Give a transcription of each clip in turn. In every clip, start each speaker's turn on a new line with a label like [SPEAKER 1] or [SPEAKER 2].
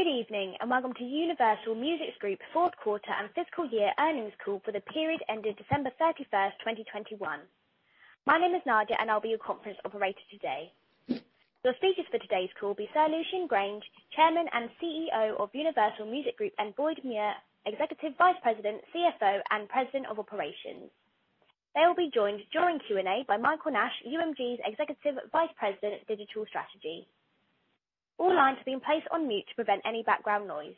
[SPEAKER 1] Good evening, and welcome to Universal Music Group Q4 and fiscal year earnings call for the period ending December 31, 2021. My name is Nadia, and I'll be your conference operator today. Your speakers for today's call will be Sir Lucian Grainge, Chairman and CEO of Universal Music Group, and Boyd Muir, Executive Vice President, CFO, and President of Operations. They'll be joined during Q&A by Michael Nash, UMG's Executive Vice President of Digital Strategy. All lines have been placed on mute to prevent any background noise.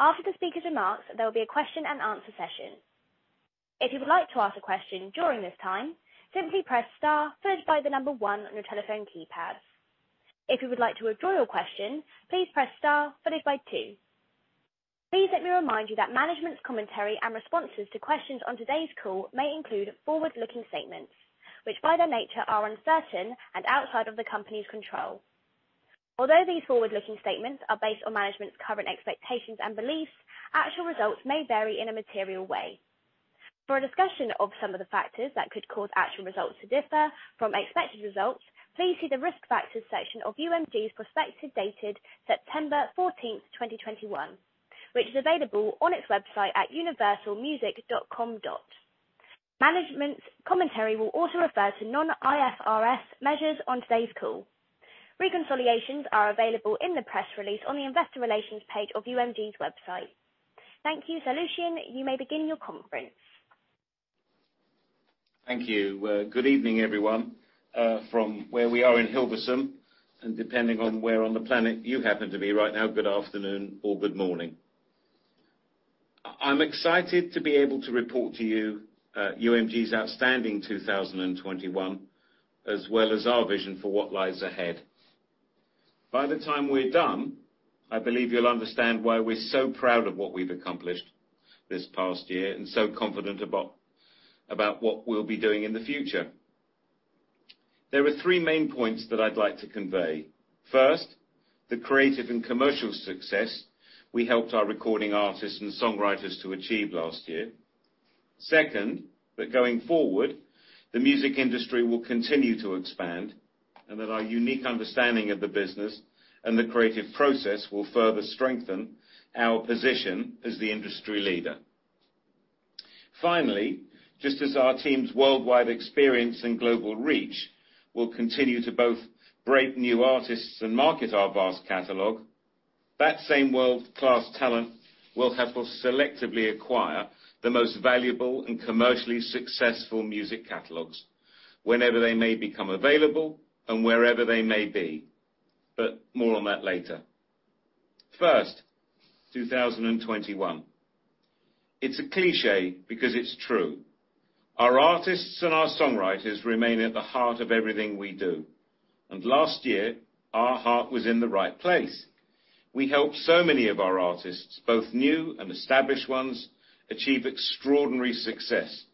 [SPEAKER 1] After the speakers' remarks, there will be a question-and-answer session. If you would like to ask a question during this time, simply press star followed by the number one on your telephone keypad. If you would like to withdraw your question, please press star followed by two. Please let me remind you that management's commentary and responses to questions on today's call may include forward-looking statements, which by their nature are uncertain and outside of the company's control. Although these forward-looking statements are based on management's current expectations and beliefs, actual results may vary in a material way. For a discussion of some of the factors that could cause actual results to differ from expected results, please see the Risk Factors section of UMG's prospectus dated September 14, 2021, which is available on its website at universalmusic.com. Management's commentary will also refer to non-IFRS measures on today's call. Reconciliations are available in the press release on the investor relations page of UMG's website. Thank you. Sir Lucian, you may begin your conference.
[SPEAKER 2] Thank you. Good evening, everyone, from where we are in Hilversum, and depending on where on the planet you happen to be right now, good afternoon or good morning. I'm excited to be able to report to you, UMG's outstanding 2021, as well as our vision for what lies ahead. By the time we're done, I believe you'll understand why we're so proud of what we've accomplished this past year, and so confident about what we'll be doing in the future. There are three main points that I'd like to convey. First, the creative and commercial success we helped our recording artists and songwriters to achieve last year. Second, that going forward, the music industry will continue to expand, and that our unique understanding of the business and the creative process will further strengthen our position as the industry leader. Finally, just as our team's worldwide experience and global reach will continue to both break new artists and market our vast catalog, that same world-class talent will help us selectively acquire the most valuable and commercially successful music catalogs whenever they may become available and wherever they may be. More on that later. First, 2021. It's a cliché because it's true. Our artists and our songwriters remain at the heart of everything we do, and last year, our heart was in the right place. We helped so many of our artists, both new and established ones, achieve extraordinary success.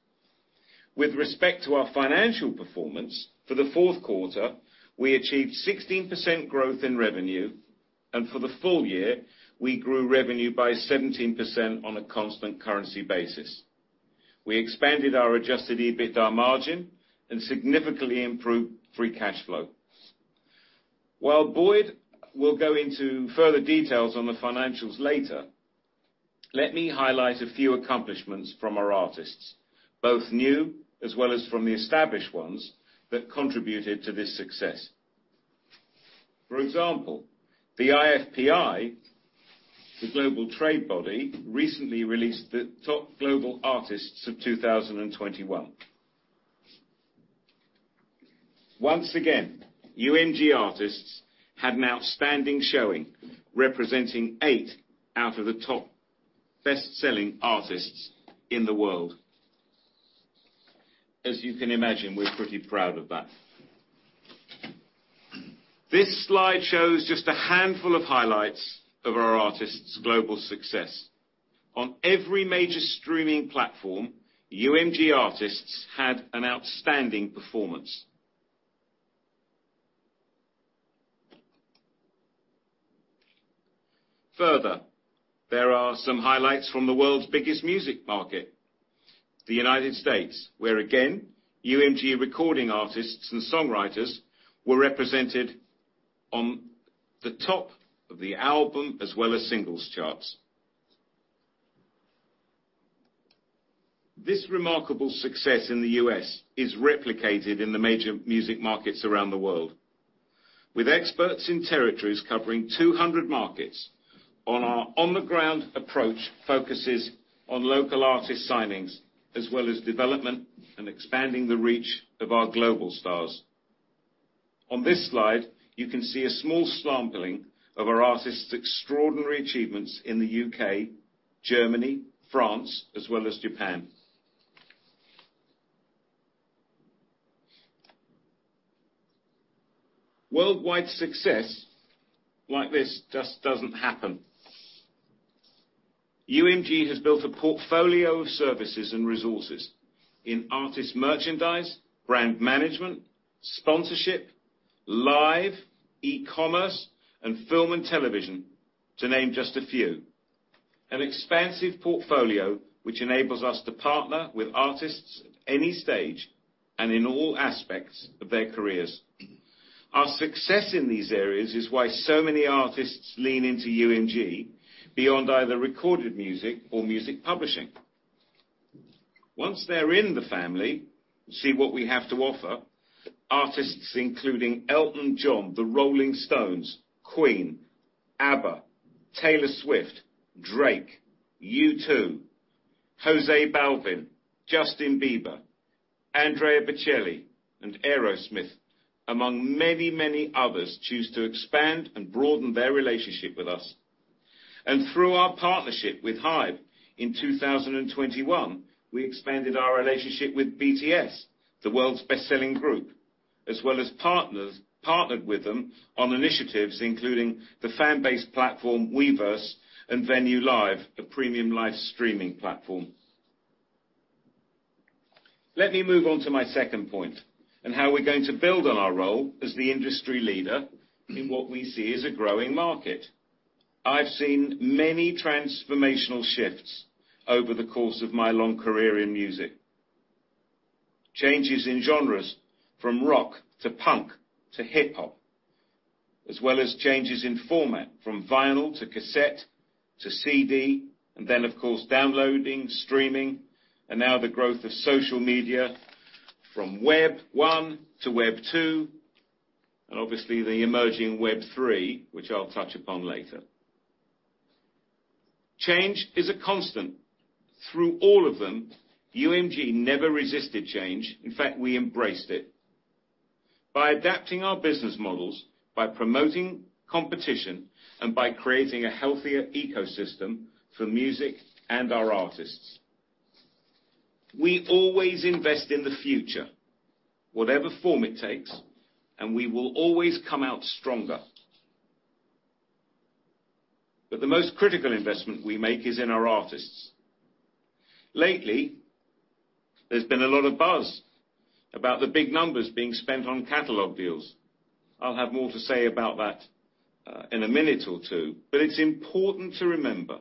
[SPEAKER 2] With respect to our financial performance, for the Q4, we achieved 16% growth in revenue, and for the full year, we grew revenue by 17% on a constant currency basis. We expanded our adjusted EBITDA margin and significantly improved free cash flow. While Boyd Muir will go into further details on the financials later, let me highlight a few accomplishments from our artists, both new, as well as from the established ones that contributed to this success. For example, the IFPI, the global trade body, recently released the top global artists of 2021. Once again, UMG artists had an outstanding showing, representing eight out of the top best-selling artists in the world. As you can imagine, we're pretty proud of that. This slide shows just a handful of highlights of our artists' global success. On every major streaming platform, UMG artists had an outstanding performance. Further, there are some highlights from the world's biggest music market, the United States, where again, UMG recording artists and songwriters were represented on the top of the album as well as singles charts. This remarkable success in the U.S. is replicated in the major music markets around the world. With experts in territories covering 200 markets, and our on-the-ground approach focuses on local artist signings, as well as development and expanding the reach of our global stars. On this slide, you can see a small sampling of our artists' extraordinary achievements in the U.K., Germany, France, as well as Japan. Worldwide success like this just doesn't happen. UMG has built a portfolio of services and resources in artist merchandise, brand management, sponsorship, live, e-commerce, and film and television, to name just a few. An expansive portfolio, which enables us to partner with artists at any stage and in all aspects of their careers. Our success in these areas is why so many artists lean into UMG beyond either recorded music or music publishing. Once they're in the family, see what we have to offer, artists including Elton John, The Rolling Stones, Queen, ABBA, Taylor Swift, Drake, U2, J Balvin, Justin Bieber, Andrea Bocelli, and Aerosmith, among many, many others, choose to expand and broaden their relationship with us. Through our partnership with HYBE in 2021, we expanded our relationship with BTS, the world's best-selling group, as well as partnered with them on initiatives including the fan base platform, Weverse and VenewLive, a premium live streaming platform. Let me move on to my second point and how we're going to build on our role as the industry leader in what we see as a growing market. I've seen many transformational shifts over the course of my long career in music. Changes in genres from rock to punk to hip-hop, as well as changes in format from vinyl to cassette to CD, and then, of course, downloading, streaming, and now the growth of social media from Web 1.0 to Web 2.0, and obviously the emerging Web3, which I'll touch upon later. Change is a constant. Through all of them, UMG never resisted change. In fact, we embraced it by adapting our business models, by promoting competition, and by creating a healthier ecosystem for music and our artists. We always invest in the future, whatever form it takes, and we will always come out stronger. The most critical investment we make is in our artists. Lately, there's been a lot of buzz about the big numbers being spent on catalog deals. I'll have more to say about that in a minute or two, but it's important to remember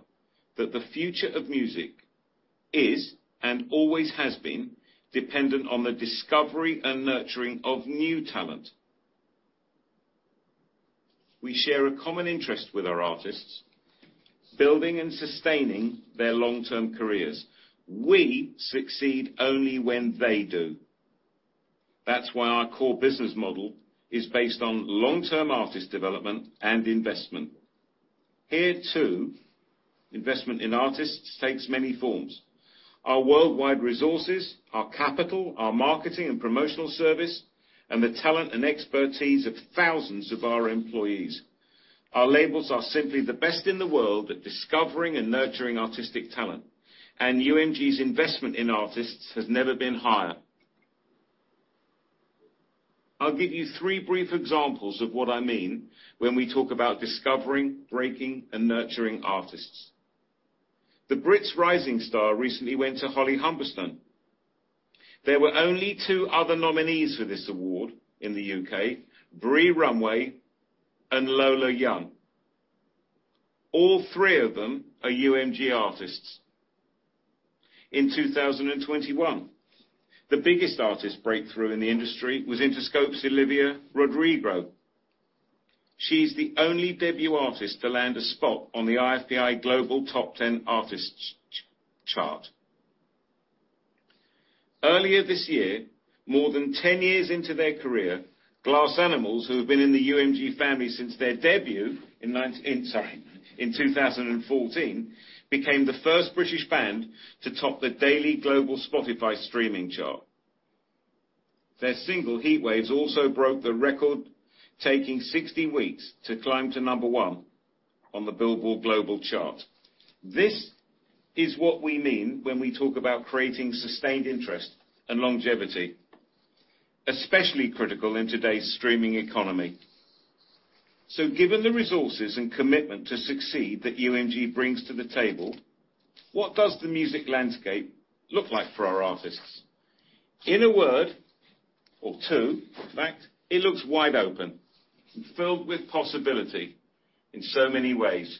[SPEAKER 2] that the future of music is and always has been dependent on the discovery and nurturing of new talent. We share a common interest with our artists, building and sustaining their long-term careers. We succeed only when they do. That's why our core business model is based on long-term artist development and investment. Here, too, investment in artists takes many forms, our worldwide resources, our capital, our marketing and promotional service, and the talent and expertise of thousands of our employees. Our labels are simply the best in the world at discovering and nurturing artistic talent. UMG's investment in artists has never been higher. I'll give you three brief examples of what I mean when we talk about discovering, breaking, and nurturing artists. The BRITs Rising Star recently went to Holly Humberstone. There were only two other nominees for this award in the U.K., Bree Runway and Lola Young. All three of them are UMG artists. In 2021, the biggest artist breakthrough in the industry was Interscope's Olivia Rodrigo. She's the only debut artist to land a spot on the IFPI Global Top 10 Artists Chart. Earlier this year, more than 10 years into their career, Glass Animals, who have been in the UMG family since their debut in 2014, became the first British band to top the daily global Spotify streaming chart. Their single, Heat Waves, also broke the record taking 60 weeks to climb to number one on the Billboard Global chart. This is what we mean when we talk about creating sustained interest and longevity, especially critical in today's streaming economy. Given the resources and commitment to succeed that UMG brings to the table, what does the music landscape look like for our artists? In a word or two, in fact, it looks wide open and filled with possibility in so many ways.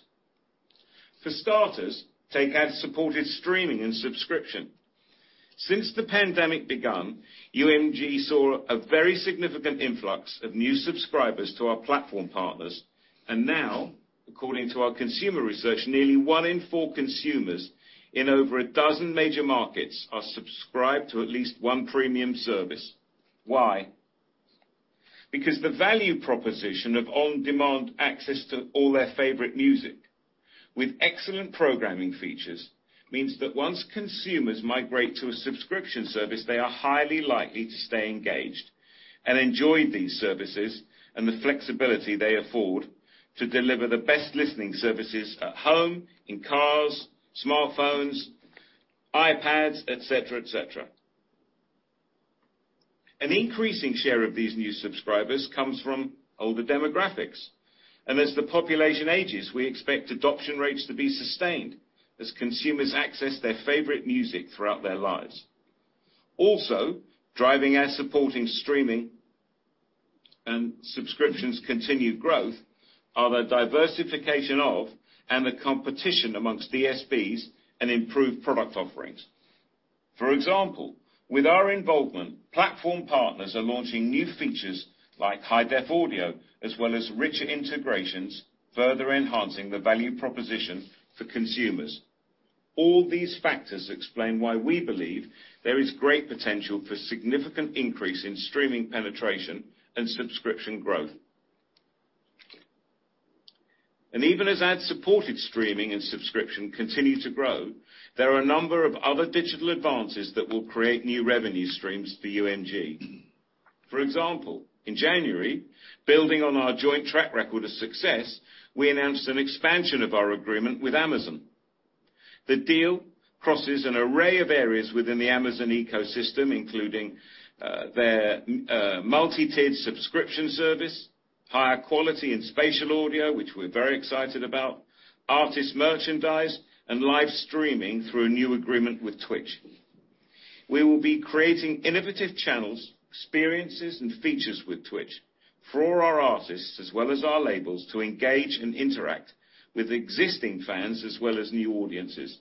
[SPEAKER 2] For starters, take ad-supported streaming and subscription. Since the pandemic began, UMG saw a very significant influx of new subscribers to our platform partners. Now, according to our consumer research, nearly one in four consumers in over a dozen major markets are subscribed to at least one premium service. Why? Because the value proposition of on-demand access to all their favorite music with excellent programming features means that once consumers migrate to a subscription service, they are highly likely to stay engaged and enjoy these services and the flexibility they afford to deliver the best listening services at home, in cars, smartphones, iPads, et cetera, et cetera. An increasing share of these new subscribers comes from older demographics. As the population ages, we expect adoption rates to be sustained as consumers access their favorite music throughout their lives. Also, driving and supporting streaming and subscriptions continued growth are the diversification of, and the competition amongst DSPs and improved product offerings. For example, with our involvement, platform partners are launching new features like high-def audio, as well as richer integrations, further enhancing the value proposition for consumers. All these factors explain why we believe there is great potential for significant increase in streaming penetration and subscription growth. Even as ad-supported streaming and subscription continue to grow, there are a number of other digital advances that will create new revenue streams for UMG. For example, in January, building on our joint track record of success, we announced an expansion of our agreement with Amazon. The deal crosses an array of areas within the Amazon ecosystem, including their multi-tiered subscription service, higher quality and spatial audio, which we're very excited about, artist merchandise, and live streaming through a new agreement with Twitch. We will be creating innovative channels, experiences, and features with Twitch for our artists as well as our labels to engage and interact with existing fans as well as new audiences.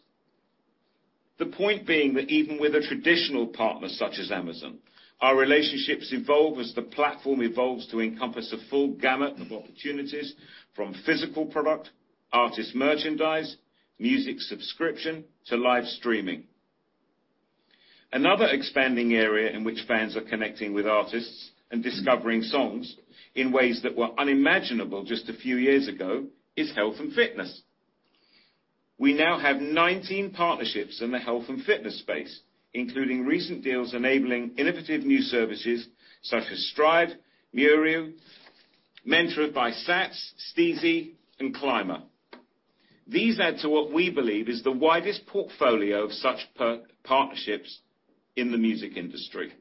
[SPEAKER 2] The point being that even with a traditional partner such as Amazon, our relationships evolve as the platform evolves to encompass a full gamut of opportunities from physical product, artist merchandise, music subscription to live streaming. Another expanding area in which fans are connecting with artists and discovering songs in ways that were unimaginable just a few years ago is health and fitness. We now have 19 partnerships in the health and fitness space, including recent deals enabling innovative new services such as Stryde, Muru, Mentored by SATS, Steezy, and CLMBR. These add to what we believe is the widest portfolio of such partnerships in the music industry.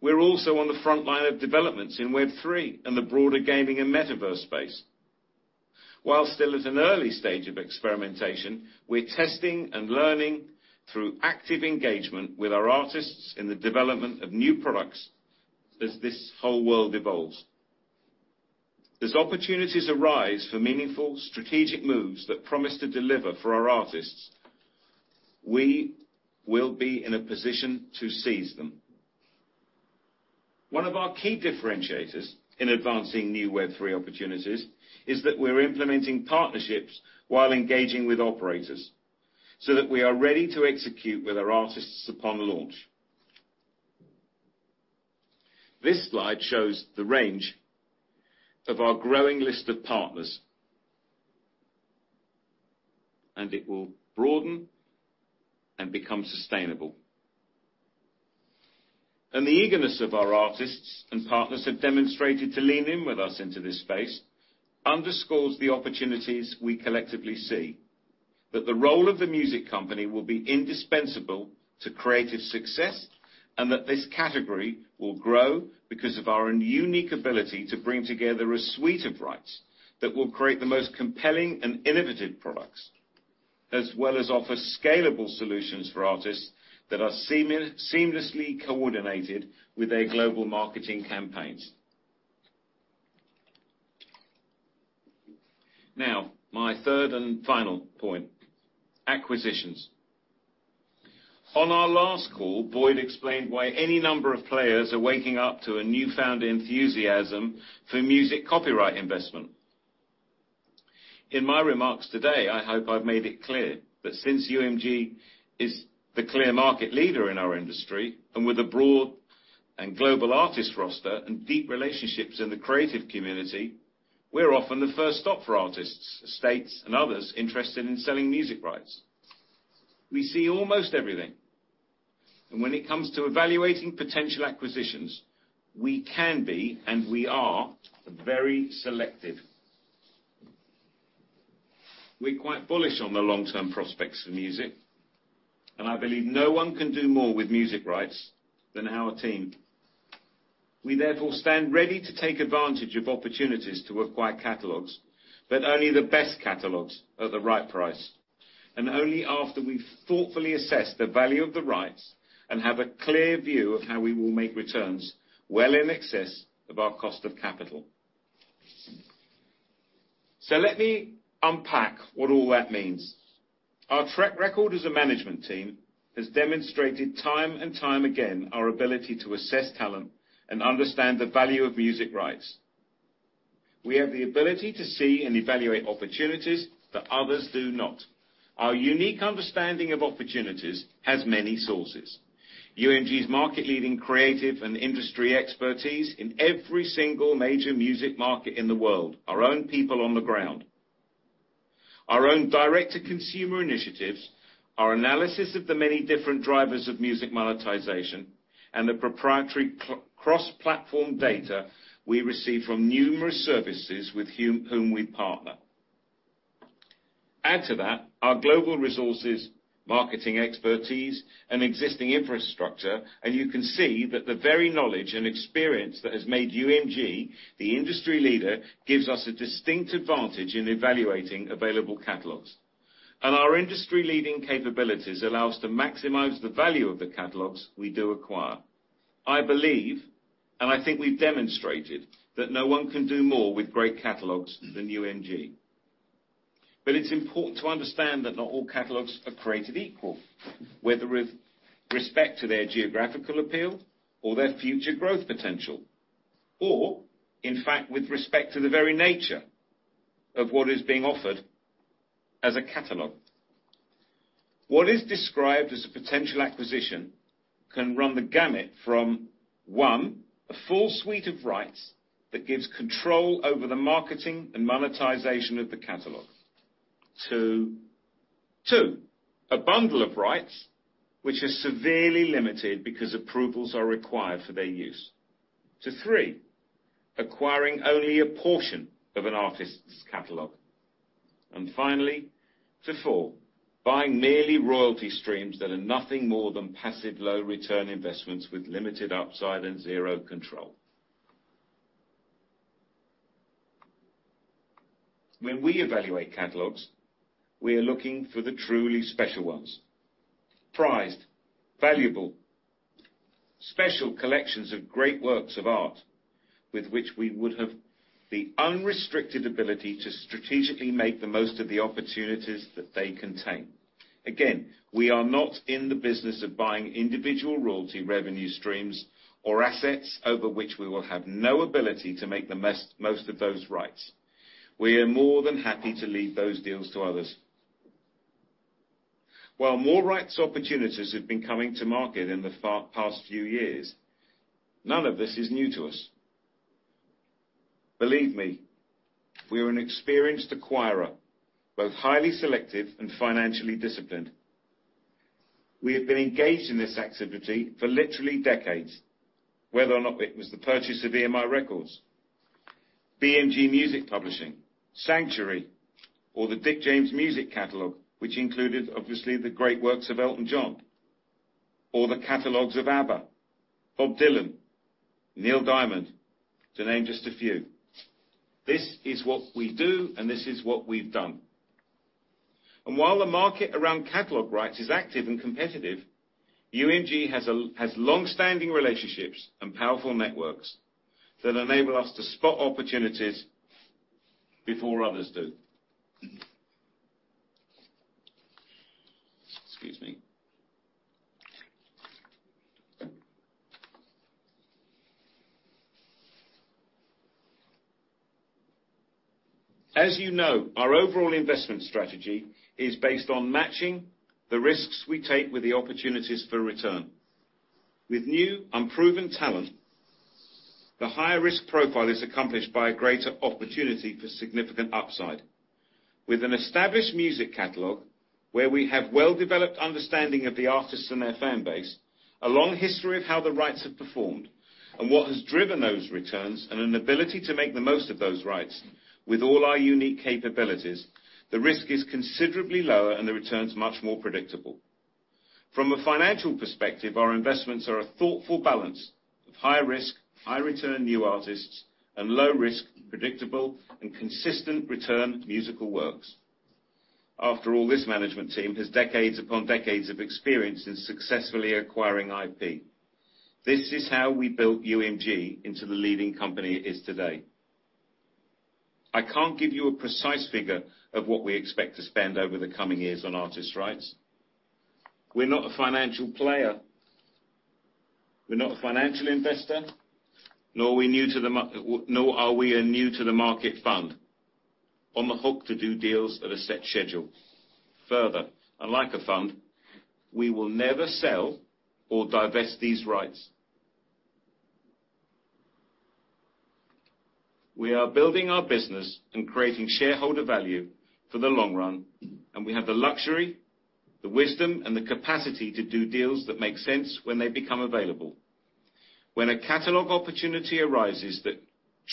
[SPEAKER 2] We're also on the front line of developments in Web3 and the broader gaming and metaverse space. While still at an early stage of experimentation, we're testing and learning through active engagement with our artists in the development of new products as this whole world evolves. As opportunities arise for meaningful strategic moves that promise to deliver for our artists, we will be in a position to seize them. One of our key differentiators in advancing new Web3 opportunities is that we're implementing partnerships while engaging with operators so that we are ready to execute with our artists upon launch. This slide shows the range of our growing list of partners. It will broaden and become sustainable. The eagerness of our artists and partners have demonstrated to lean in with us into this space underscores the opportunities we collectively see, that the role of the music company will be indispensable to creative success, and that this category will grow because of our unique ability to bring together a suite of rights that will create the most compelling and innovative products, as well as offer scalable solutions for artists that are seamlessly coordinated with their global marketing campaigns. Now, my third and final point, acquisitions. On our last call, Boyd explained why any number of players are waking up to a newfound enthusiasm for music copyright investment. In my remarks today, I hope I've made it clear that since UMG is the clear market leader in our industry, and with a broad and global artist roster and deep relationships in the creative community, we're often the first stop for artists, estates, and others interested in selling music rights. We see almost everything, and when it comes to evaluating potential acquisitions, we can be and we are very selective. We're quite bullish on the long-term prospects for music, and I believe no one can do more with music rights than our team. We therefore stand ready to take advantage of opportunities to acquire catalogs, but only the best catalogs at the right price, and only after we've thoughtfully assessed the value of the rights and have a clear view of how we will make returns well in excess of our cost of capital. Let me unpack what all that means. Our track record as a management team has demonstrated time and time again our ability to assess talent and understand the value of music rights. We have the ability to see and evaluate opportunities that others do not. Our unique understanding of opportunities has many sources, UMG's market-leading creative and industry expertise in every single major music market in the world, our own people on the ground, our own direct-to-consumer initiatives, our analysis of the many different drivers of music monetization, and the proprietary cross-platform data we receive from numerous services with whom we partner. Add to that our global resources, marketing expertise, and existing infrastructure, and you can see that the very knowledge and experience that has made UMG the industry leader gives us a distinct advantage in evaluating available catalogs. Our industry-leading capabilities allow us to maximize the value of the catalogs we do acquire. I believe, and I think we've demonstrated, that no one can do more with great catalogs than UMG. It's important to understand that not all catalogs are created equal, whether with respect to their geographical appeal or their future growth potential, or in fact, with respect to the very nature of what is being offered as a catalog. What is described as a potential acquisition can run the gamut from one, a full suite of rights that gives control over the marketing and monetization of the catalog to two, a bundle of rights which are severely limited because approvals are required for their use to three, acquiring only a portion of an artist's catalog. Finally, for four, buying merely royalty streams that are nothing more than passive low return investments with limited upside and zero control. When we evaluate catalogs, we are looking for the truly special ones. Prized, valuable, special collections of great works of art with which we would have the unrestricted ability to strategically make the most of the opportunities that they contain. Again, we are not in the business of buying individual royalty revenue streams or assets over which we will have no ability to make the most of those rights. We are more than happy to leave those deals to others. While more rights opportunities have been coming to market in the past few years, none of this is new to us. Believe me, we are an experienced acquirer, both highly selective and financially disciplined. We have been engaged in this activity for literally decades, whether or not it was the purchase of EMI Records, BMG Music Publishing, Sanctuary, or the Dick James Music catalog, which included obviously the great works of Elton John, or the catalogs of ABBA, Bob Dylan, Neil Diamond, to name just a few. This is what we do, and this is what we've done. While the market around catalog rights is active and competitive, UMG has longstanding relationships and powerful networks that enable us to spot opportunities before others do. Excuse me. As you know, our overall investment strategy is based on matching the risks we take with the opportunities for return. With new unproven talent, the higher risk profile is accomplished by a greater opportunity for significant upside. With an established music catalog, where we have well-developed understanding of the artists and their fan base, a long history of how the rights have performed and what has driven those returns, and an ability to make the most of those rights with all our unique capabilities, the risk is considerably lower and the returns much more predictable. From a financial perspective, our investments are a thoughtful balance of high risk, high return new artists and low risk, predictable, and consistent return musical works. After all, this management team has decades upon decades of experience in successfully acquiring IP. This is how we built UMG into the leading company it is today. I can't give you a precise figure of what we expect to spend over the coming years on artist rights. We're not a financial player. We're not a financial investor, nor are we a new to the market fund on the hook to do deals at a set schedule. Further, unlike a fund, we will never sell or divest these rights. We are building our business and creating shareholder value for the long run, and we have the luxury, the wisdom, and the capacity to do deals that make sense when they become available. When a catalog opportunity arises that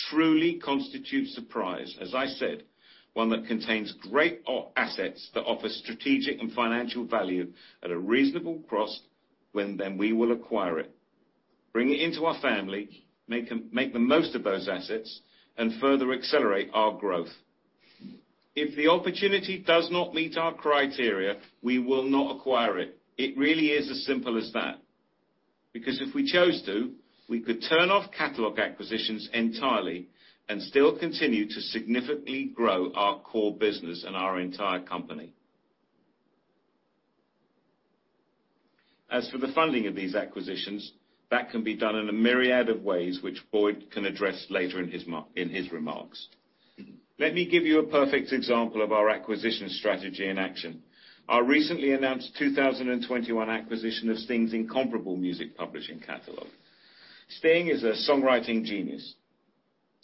[SPEAKER 2] truly constitutes surprise, as I said, one that contains assets that offer strategic and financial value at a reasonable cost, when then we will acquire it, bring it into our family, make the most of those assets, and further accelerate our growth. If the opportunity does not meet our criteria, we will not acquire it. It really is as simple as that. Because if we chose to, we could turn off catalog acquisitions entirely and still continue to significantly grow our core business and our entire company. As for the funding of these acquisitions, that can be done in a myriad of ways, which Boyd can address later in his remarks. Let me give you a perfect example of our acquisition strategy in action. Our recently announced 2021 acquisition of Sting's incomparable music publishing catalog. Sting is a songwriting genius.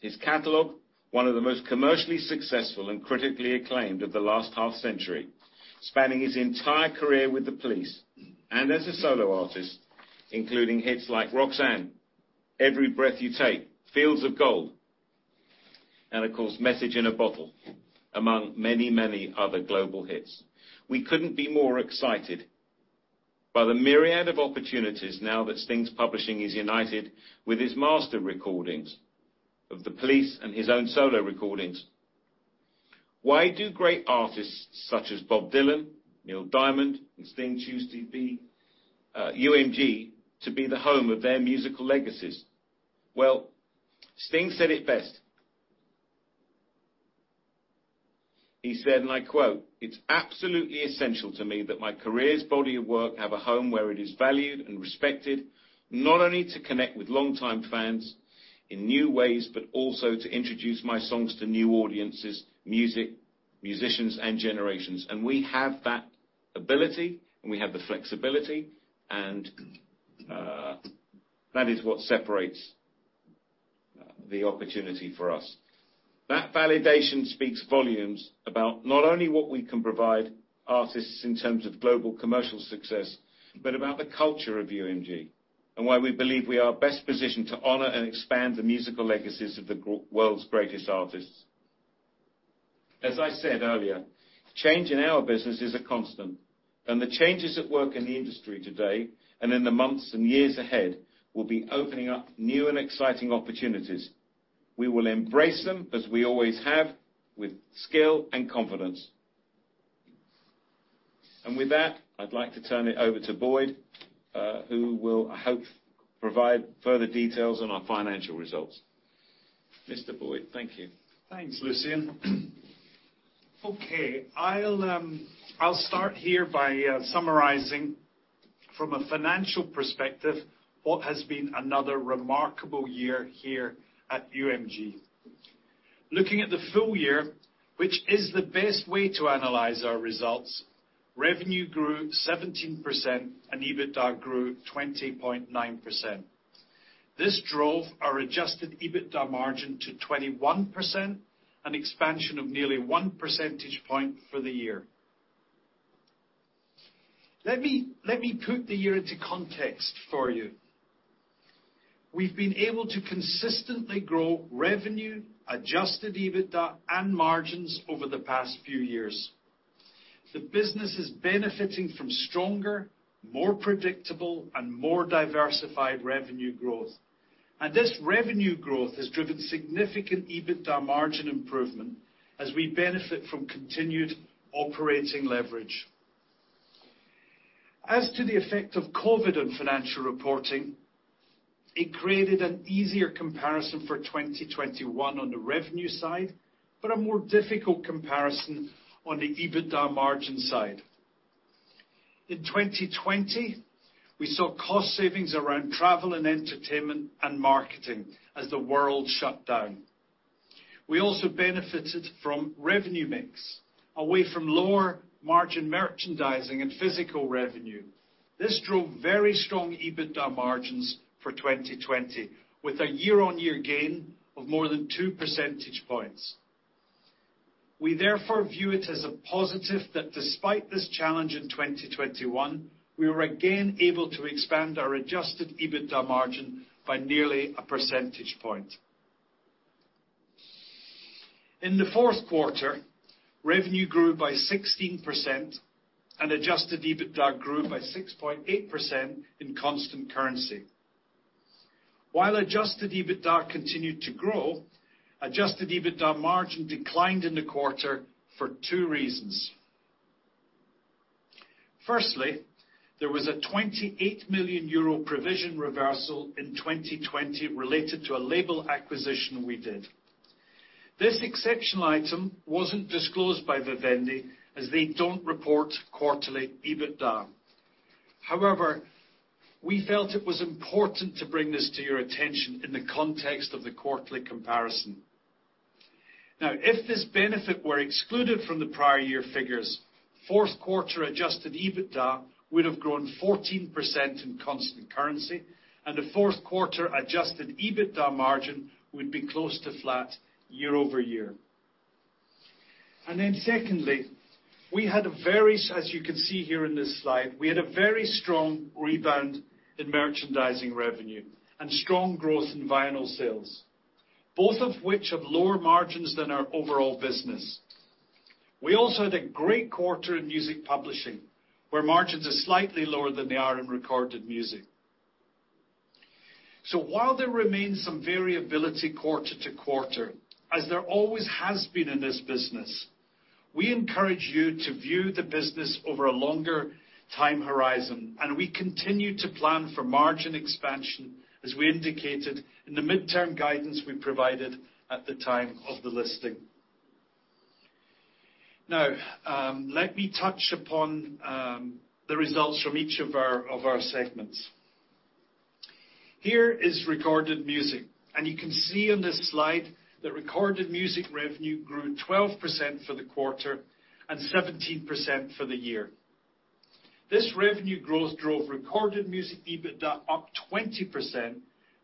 [SPEAKER 2] His catalog, one of the most commercially successful and critically acclaimed of the last half-century, spanning his entire career with The Police and as a solo artist, including hits like Roxanne, Every Breath You Take, Fields of Gold, and of course, Message in a Bottle, among many, many other global hits. We couldn't be more excited by the myriad of opportunities now that Sting's publishing is united with his master recordings of The Police and his own solo recordings. Why do great artists such as Bob Dylan, Neil Diamond, and Sting choose to be, UMG to be the home of their musical legacies? Well, Sting said it best. He said, and I quote, "It's absolutely essential to me that my career's body of work have a home where it is valued and respected, not only to connect with long-time fans in new ways, but also to introduce my songs to new audiences, music, musicians, and generations." We have that ability, and we have the flexibility, and, that is what separates the opportunity for us. That validation speaks volumes about not only what we can provide artists in terms of global commercial success, but about the culture of UMG and why we believe we are best positioned to honor and expand the musical legacies of the world's greatest artists. As I said earlier, change in our business is a constant, and the changes at work in the industry today, and in the months and years ahead, will be opening up new and exciting opportunities. We will embrace them as we always have, with skill and confidence. With that, I'd like to turn it over to Boyd Muir, who will, I hope, provide further details on our financial results. Mr. Boyd Muir, thank you.
[SPEAKER 3] Thanks, Lucian. I'll start here by summarizing from a financial perspective what has been another remarkable year here at UMG. Looking at the full year, which is the best way to analyze our results, revenue grew 17% and EBITDA grew 20.9%. This drove our adjusted EBITDA margin to 21%, an expansion of nearly one percentage point for the year. Let me put the year into context for you. We've been able to consistently grow revenue, adjusted EBITDA, and margins over the past few years. The business is benefiting from stronger, more predictable, and more diversified revenue growth. This revenue growth has driven significant EBITDA margin improvement as we benefit from continued operating leverage. As to the effect of COVID on financial reporting, it created an easier comparison for 2021 on the revenue side, but a more difficult comparison on the EBITDA margin side. In 2020, we saw cost savings around travel and entertainment and marketing as the world shut down. We also benefited from revenue mix away from lower margin merchandising and physical revenue. This drove very strong EBITDA margins for 2020, with a year-on-year gain of more thano ne percentage points. We therefore view it as a positive that despite this challenge in 2021, we were again able to expand our adjusted EBITDA margin by nearly one percentage point. In the Q4, revenue grew by 16% and adjusted EBITDA grew by 6.8% in constant currency. While adjusted EBITDA continued to grow, adjusted EBITDA margin declined in the quarter for two reasons. Firstly, there was a 28 million euro provision reversal in 2020 related to a label acquisition we did. This exceptional item wasn't disclosed by Vivendi as they don't report quarterly EBITDA. However, we felt it was important to bring this to your attention in the context of the quarterly comparison. Now, if this benefit were excluded from the prior year figures, Q4 adjusted EBITDA would have grown 14% in constant currency, and the Q4 adjusted EBITDA margin would be close to flat year-over-year. Secondly, as you can see here in this slide, we had a very strong rebound in merchandising revenue and strong growth in vinyl sales, both of which have lower margins than our overall business. We also had a great quarter in music publishing, where margins are slightly lower than they are in recorded music. While there remains some variability quarter to quarter, as there always has been in this business, we encourage you to view the business over a longer time horizon, and we continue to plan for margin expansion as we indicated in the midterm guidance we provided at the time of the listing. Now, let me touch upon the results from each of our segments. Here is Recorded Music, and you can see on this slide that Recorded Music revenue grew 12% for the quarter and 17% for the year. This revenue growth drove Recorded Music EBITDA up 20%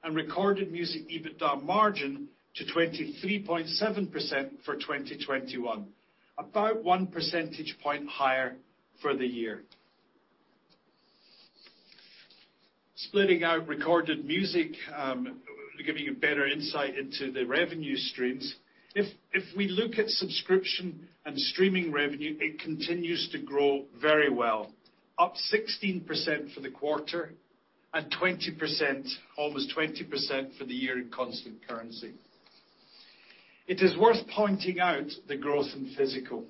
[SPEAKER 3] and Recorded Music EBITDA margin to 23.7% for 2021, about one percentage point higher for the year. Splitting out recorded music, giving you better insight into the revenue streams. If we look at subscription and streaming revenue, it continues to grow very well, up 16% for the quarter and 20%, almost 20%, for the year in constant currency. It is worth pointing out the growth in physical.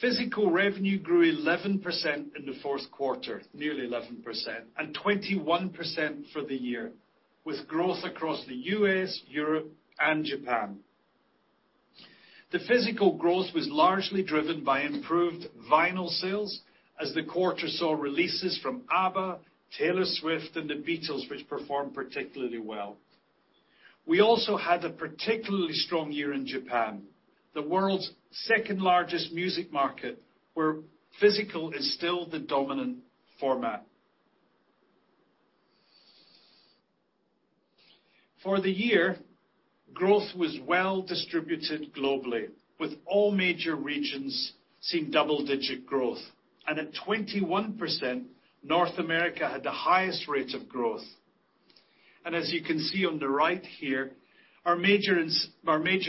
[SPEAKER 3] Physical revenue grew 11% in the Q4, nearly 11%, and 21% for the year, with growth across the U.S., Europe, and Japan. The physical growth was largely driven by improved vinyl sales as the quarter saw releases from ABBA, Taylor Swift, and The Beatles, which performed particularly well. We also had a particularly strong year in Japan, the world's second-largest music market, where physical is still the dominant format. For the year, growth was well-distributed globally, with all major regions seeing double-digit growth. At 21%, North America had the highest rates of growth. As you can see on the right here, our major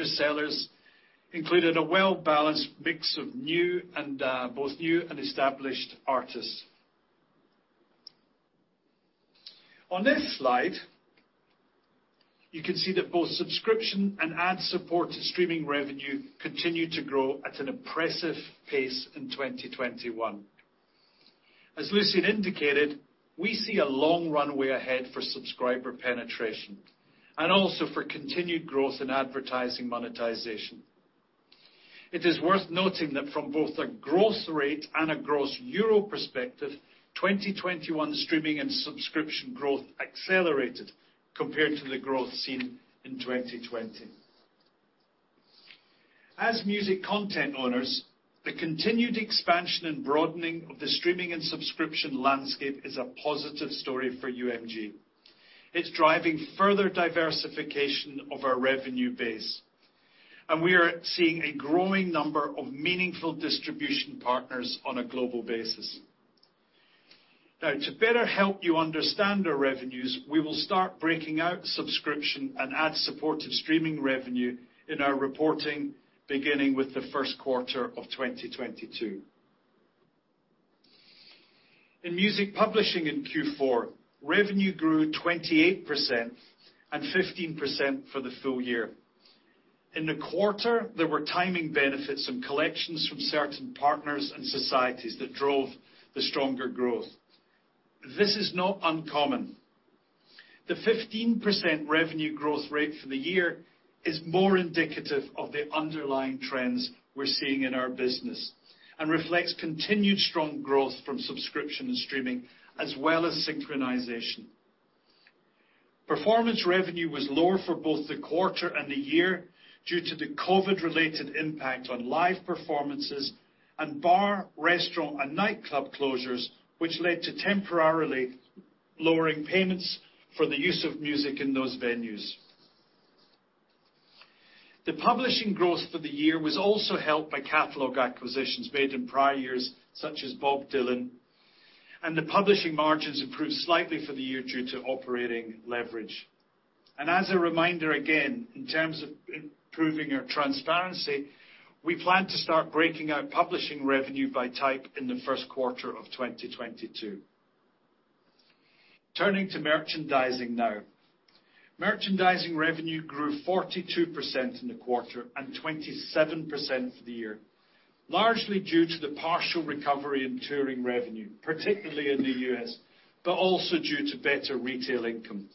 [SPEAKER 3] sellers included a well-balanced mix of new and both new and established artists. On this slide, you can see that both subscription and ad-supported streaming revenue continued to grow at an impressive pace in 2021. As Lucian indicated, we see a long runway ahead for subscriber penetration and also for continued growth in advertising monetization. It is worth noting that from both a growth rate and a growth in euro perspective, 2021 streaming and subscription growth accelerated compared to the growth seen in 2020. As music content owners, the continued expansion and broadening of the streaming and subscription landscape is a positive story for UMG. It's driving further diversification of our revenue base, and we are seeing a growing number of meaningful distribution partners on a global basis. Now, to better help you understand our revenues, we will start breaking out subscription and ad-supported streaming revenue in our reporting beginning with the Q1of 2022. In music publishing in Q4, revenue grew 28% and 15% for the full year. In the quarter, there were timing benefits and collections from certain partners and societies that drove the stronger growth. This is not uncommon. The 15% revenue growth rate for the year is more indicative of the underlying trends we're seeing in our business and reflects continued strong growth from subscription and streaming as well as synchronization. Performance revenue was lower for both the quarter and the year due to the COVID-related impact on live performances and bar, restaurant, and nightclub closures, which led to temporarily lowering payments for the use of music in those venues. The publishing growth for the year was also helped by catalog acquisitions made in prior years, such as Bob Dylan, and the publishing margins improved slightly for the year due to operating leverage. As a reminder, again, in terms of improving our transparency, we plan to start breaking out publishing revenue by type in the Q1 of 2022. Turning to merchandising now. Merchandising revenue grew 42% in the quarter and 27% for the year, largely due to the partial recovery in touring revenue, particularly in the U.S., but also due to better retail income.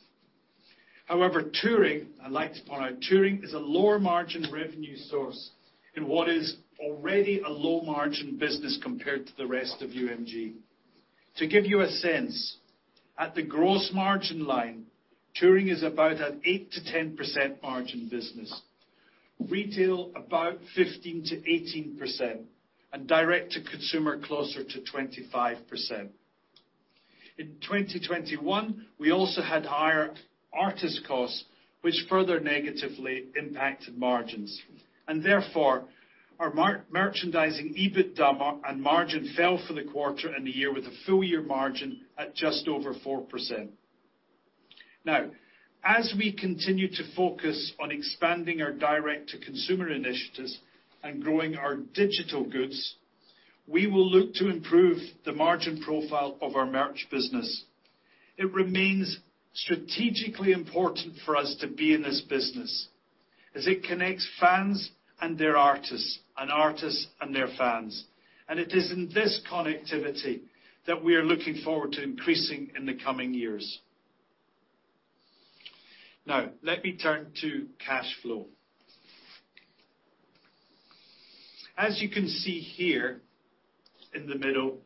[SPEAKER 3] However, touring, I'd like to point out, touring is a lower-margin revenue source in what is already a low-margin business compared to the rest of UMG. To give you a sense, at the gross margin line, touring is about an 8%-10% margin business, retail about 15%-18%, and direct-to-consumer closer to 25%. In 2021, we also had higher artist costs which further negatively impacted margins. Therefore, our merchandising EBITDA and margin fell for the quarter and the year with a full-year margin at just over 4%. Now, as we continue to focus on expanding our direct-to-consumer initiatives and growing our digital goods, we will look to improve the margin profile of our merch business. It remains strategically important for us to be in this business, as it connects fans and their artists and artists and their fans. It is in this connectivity that we are looking forward to increasing in the coming years. Now, let me turn to cash flow. As you can see here in the middle,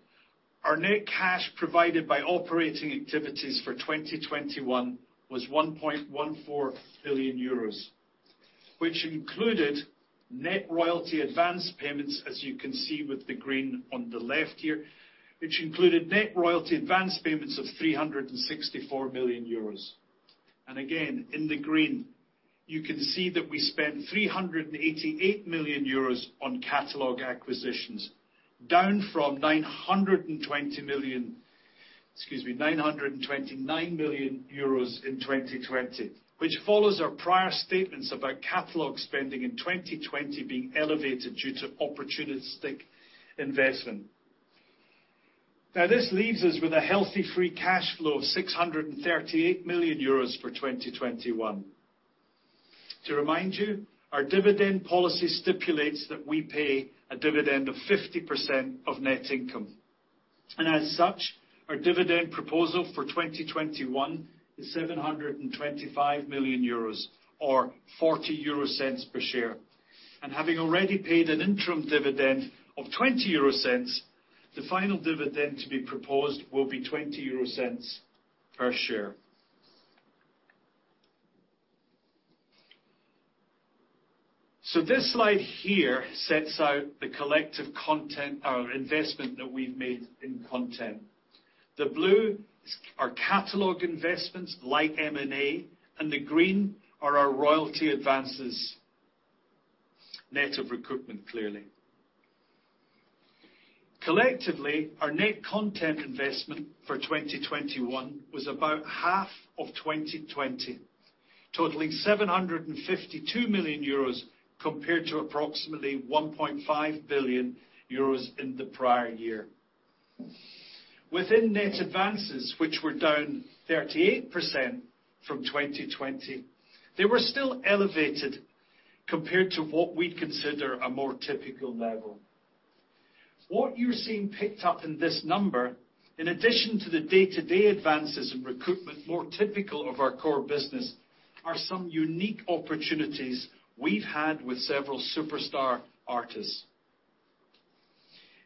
[SPEAKER 3] our net cash provided by operating activities for 2021 was 1.14 billion euros, which included net royalty advance payments, as you can see with the green on the left here, of 364 million euros. Again, in the green, you can see that we spent 388 million euros on catalog acquisitions, down from 929 million in 2020, which follows our prior statements about catalog spending in 2020 being elevated due to opportunistic investment. Now, this leaves us with a healthy free cash flow of 638 million euros for 2021. To remind you, our dividend policy stipulates that we pay a dividend of 50% of net income. As such, our dividend proposal for 2021 is 725 million euros or 0.40 per share. Having already paid an interim dividend of 0.20, the final dividend to be proposed will be 0.20 per share. This slide here sets out the collective content investment that we've made in content. The blue is our catalog investments like M&A, and the green are our royalty advances, net of recoupment, clearly. Collectively, our net content investment for 2021 was about half of 2020, totaling 752 million euros compared to approximately 1.5 billion euros in the prior year. Within net advances, which were down 38% from 2020, they were still elevated compared to what we'd consider a more typical level. What you're seeing picked up in this number, in addition to the day-to-day advances in recoupment more typical of our core business, are some unique opportunities we've had with several superstar artists.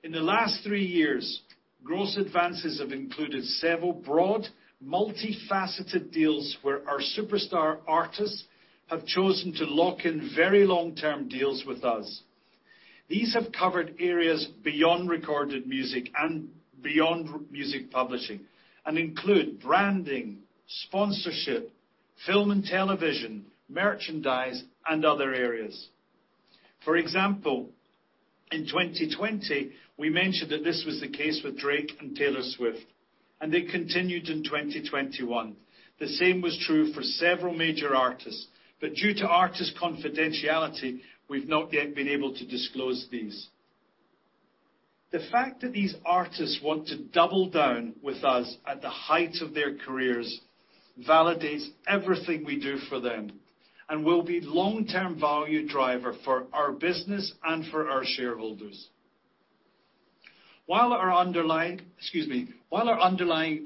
[SPEAKER 3] In the last three years, gross advances have included several broad, multifaceted deals where our superstar artists have chosen to lock in very long-term deals with us. These have covered areas beyond recorded music and beyond music publishing, and include branding, sponsorship, film and television, merchandise, and other areas. For example, in 2020, we mentioned that this was the case with Drake and Taylor Swift, and they continued in 2021. The same was true for several major artists, but due to artist confidentiality, we've not yet been able to disclose these. The fact that these artists want to double down with us at the height of their careers validates everything we do for them and will be long-term value driver for our business and for our shareholders. While our underlying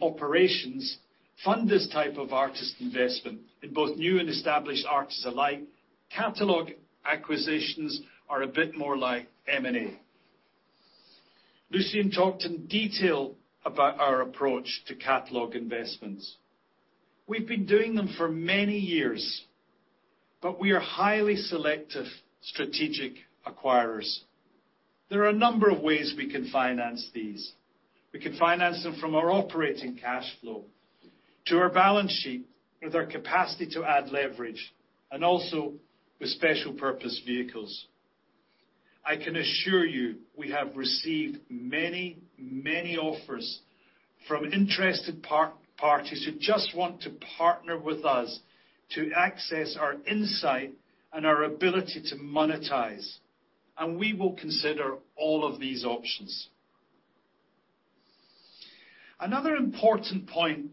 [SPEAKER 3] operations fund this type of artist investment in both new and established artists alike, catalog acquisitions are a bit more like M&A. Lucian talked in detail about our approach to catalog investments. We've been doing them for many years, but we are highly selective strategic acquirers. There are a number of ways we can finance these. We can finance them from our operating cash flow to our balance sheet with our capacity to add leverage and also with special purpose vehicles. I can assure you, we have received many, many offers from interested parties who just want to partner with us to access our insight and our ability to monetize, and we will consider all of these options. Another important point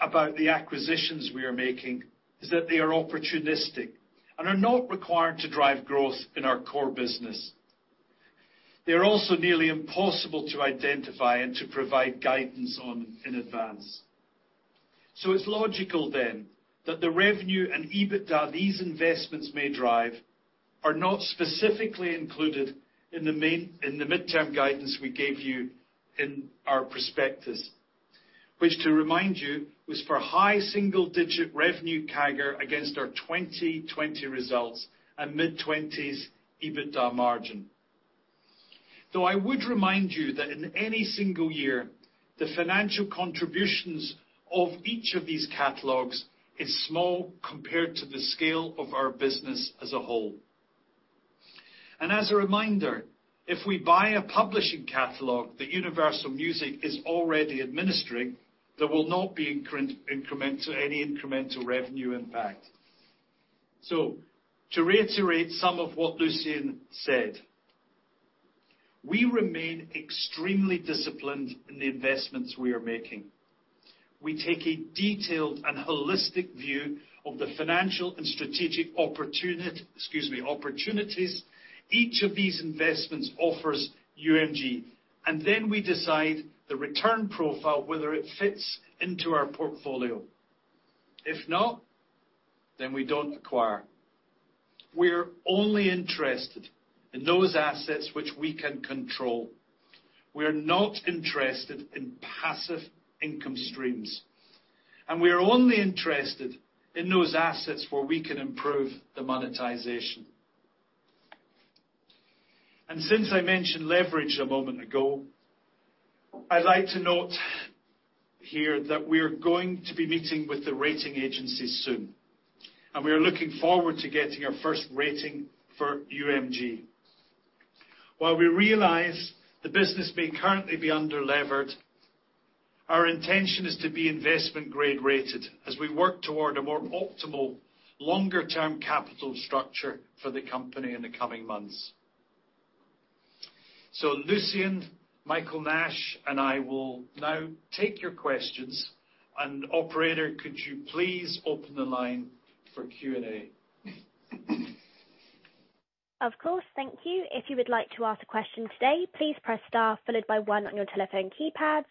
[SPEAKER 3] about the acquisitions we are making is that they are opportunistic and are not required to drive growth in our core business. They are also nearly impossible to identify and to provide guidance on in advance. It's logical then that the revenue and EBITDA these investments may drive are not specifically included in the midterm guidance we gave you in our prospectus. Which to remind you, was for high single-digit revenue CAGR against our 2020 results and mid-20s EBITDA margin. Though I would remind you that in any single year, the financial contributions of each of these catalogs is small compared to the scale of our business as a whole. As a reminder, if we buy a publishing catalog that Universal Music is already administering, there will not be any incremental revenue impact. To reiterate some of what Lucian said, we remain extremely disciplined in the investments we are making. We take a detailed and holistic view of the financial and strategic opportunities each of these investments offers UMG, and then we decide the return profile, whether it fits into our portfolio. If not, then we don't acquire. We're only interested in those assets which we can control. We are not interested in passive income streams, and we are only interested in those assets where we can improve the monetization. Since I mentioned leverage a moment ago, I'd like to note here that we are going to be meeting with the rating agencies soon, and we are looking forward to getting our first rating for UMG. While we realize the business may currently be under-levered. Our intention is to be investment grade rated as we work toward a more optimal longer-term capital structure for the company in the coming months. Lucian, Michael Nash, and I will now take your questions. Operator, could you please open the line for Q&A?
[SPEAKER 1] Of course. Thank you. If you would like to ask a question today, please press star followed by one on your telephone keypads.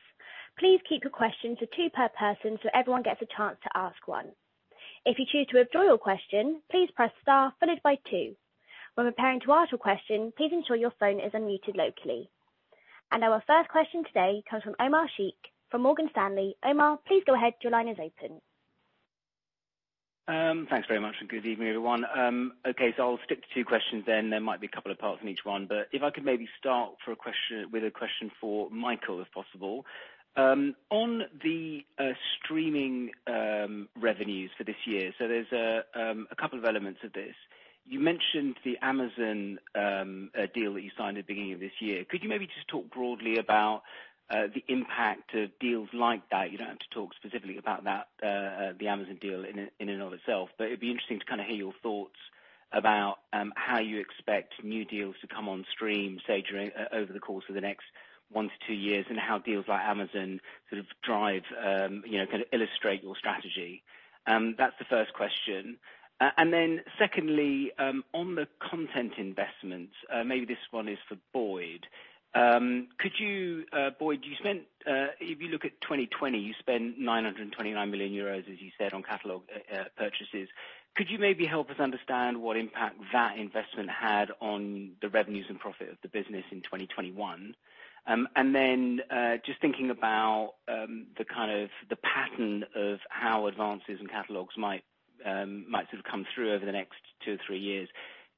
[SPEAKER 1] Please keep your questions to two per person so everyone gets a chance to ask one. If you choose to withdraw your question, please press star followed by two. When preparing to ask your question, please ensure your phone is unmuted locally. Our first question today comes from Omar Sheikh from Morgan Stanley. Omar, please go ahead. Your line is open.
[SPEAKER 4] Thanks very much, and good evening, everyone. Okay, I'll stick to two questions then. There might be a couple of parts in each one. If I could maybe start with a question for Michael, if possible. On the streaming revenues for this year, there's a couple of elements of this. You mentioned the Amazon deal that you signed at the beginning of this year. Could you maybe just talk broadly about the impact of deals like that? You don't have to talk specifically about that, the Amazon deal in and of itself, but it'd be interesting to kinda hear your thoughts about how you expect new deals to come on stream, say, over the course of the next one-two years, and how deals like Amazon sort of drive, you know, kinda illustrate your strategy. That's the first question. Secondly, on the content investments, maybe this one is for Boyd. Could you, Boyd, if you look at 2020, you spent 929 million euros, as you said, on catalog purchases. Could you maybe help us understand what impact that investment had on the revenues and profit of the business in 2021? Just thinking about the kind of the pattern of how advances in catalogs might sort of come through over the next two-three years,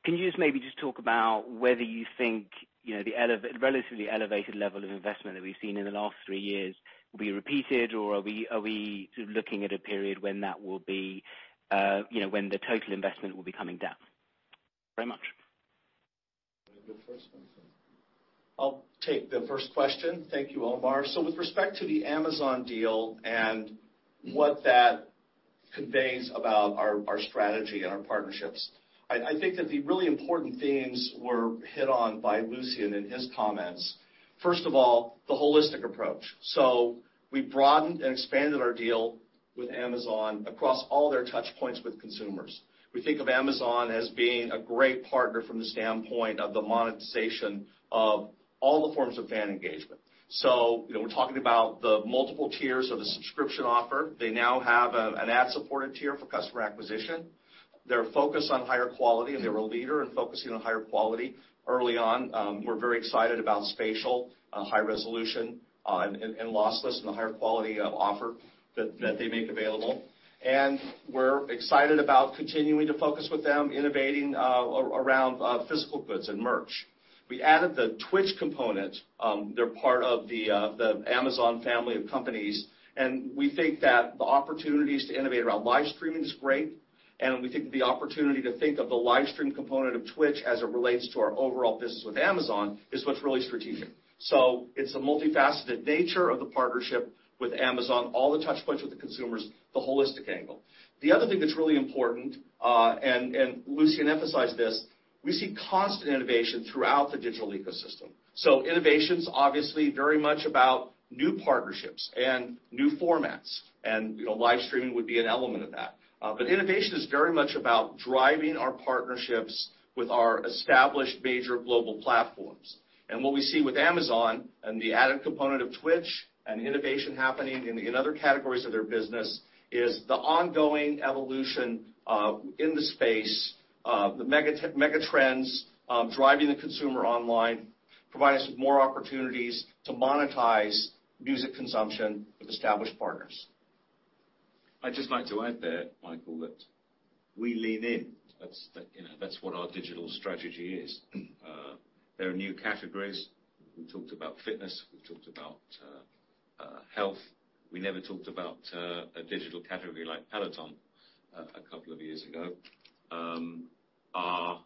[SPEAKER 4] can you just maybe just talk about whether you think, you know, the relatively elevated level of investment that we've seen in the last three years will be repeated, or are we sort of looking at a period when that will be, you know, when the total investment will be coming down? Very much.
[SPEAKER 2] The first one.
[SPEAKER 5] I'll take the first question. Thank you, Omar. With respect to the Amazon deal and what that conveys about our strategy and our partnerships, I think that the really important themes were hit on by Lucian in his comments. First of all, the holistic approach. We broadened and expanded our deal with Amazon across all their touchpoints with consumers. We think of Amazon as being a great partner from the standpoint of the monetization of all the forms of fan engagement. You know, we're talking about the multiple tiers of the subscription offer. They now have an ad-supported tier for customer acquisition. They're focused on higher quality, and they're a leader in focusing on higher quality early on. We're very excited about spatial, high resolution, and lossless and the higher quality offer that they make available. We're excited about continuing to focus with them, innovating around physical goods and merch. We added the Twitch component. They're part of the Amazon family of companies, and we think that the opportunities to innovate around live streaming is great, and we think the opportunity to think of the live stream component of Twitch as it relates to our overall business with Amazon is what's really strategic. It's a multifaceted nature of the partnership with Amazon, all the touch points with the consumers, the holistic angle. The other thing that's really important, and Lucian emphasized this, we see constant innovation throughout the digital ecosystem. Innovation's obviously very much about new partnerships and new formats. You know, live streaming would be an element of that. Innovation is very much about driving our partnerships with our established major global platforms. What we see with Amazon and the added component of Twitch and innovation happening in other categories of their business is the ongoing evolution in the space of the mega trends driving the consumer online, provide us with more opportunities to monetize music consumption with established partners.
[SPEAKER 2] I'd just like to add there, Michael, that we lean in. That's you know that's what our digital strategy is. There are new categories. We talked about fitness. We talked about health. We never talked about a digital category like Peloton a couple of years ago. Our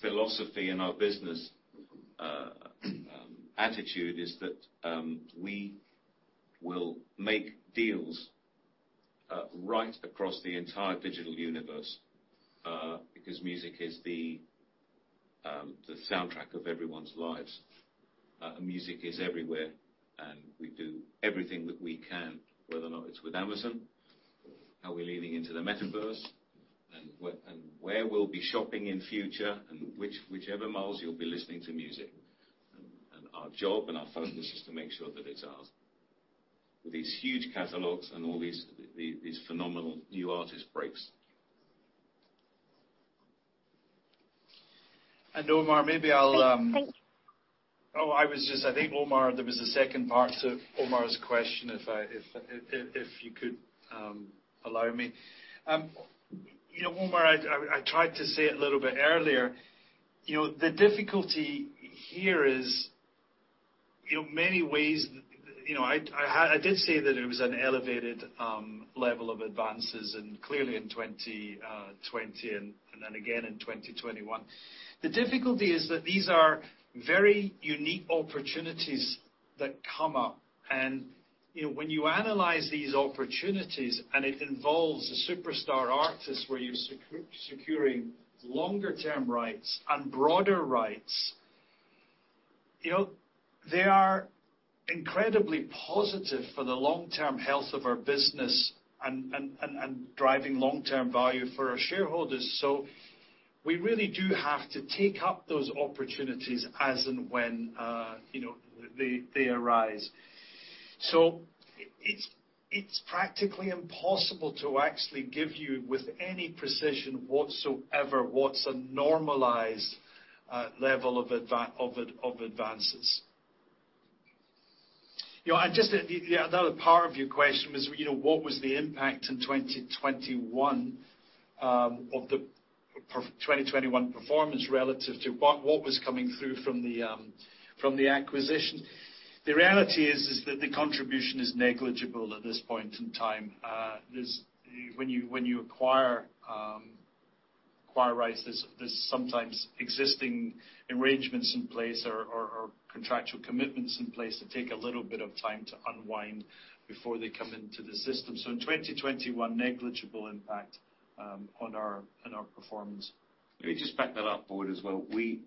[SPEAKER 2] philosophy and our business attitude is that we will make deals right across the entire digital universe because music is the soundtrack of everyone's lives. Music is everywhere, and we do everything that we can, whether or not it's with Amazon, how we're leaning into the metaverse, and where we'll be shopping in future and whichever ways you'll be listening to music. Our job and our focus is to make sure that it's ours. With these huge catalogs and all these phenomenal new artist breaks.
[SPEAKER 5] Omar, maybe I'll
[SPEAKER 1] Please.
[SPEAKER 3] I think, Omar, there was a second part to Omar's question, if you could allow me. You know, Omar, I tried to say it a little bit earlier. You know, the difficulty here is, you know, many ways, you know, I did say that it was an elevated level of advances and clearly in 2020 and then again in 2021. The difficulty is that these are very unique opportunities that come up and You know, when you analyze these opportunities and it involves a superstar artist where you're securing longer-term rights and broader rights, you know, they are incredibly positive for the long-term health of our business and driving long-term value for our shareholders. We really do have to take up those opportunities as and when, you know, they arise. It's practically impossible to actually give you with any precision whatsoever what's a normalized level of advances. You know, yeah, another part of your question was, you know, what was the impact in 2021 of the 2021 performance relative to what was coming through from the acquisition. The reality is that the contribution is negligible at this point in time. There's When you acquire rights, there's sometimes existing arrangements in place or contractual commitments in place that take a little bit of time to unwind before they come into the system. In 2021, negligible impact on our performance.
[SPEAKER 2] Let me just back that up, Boyd, as well. We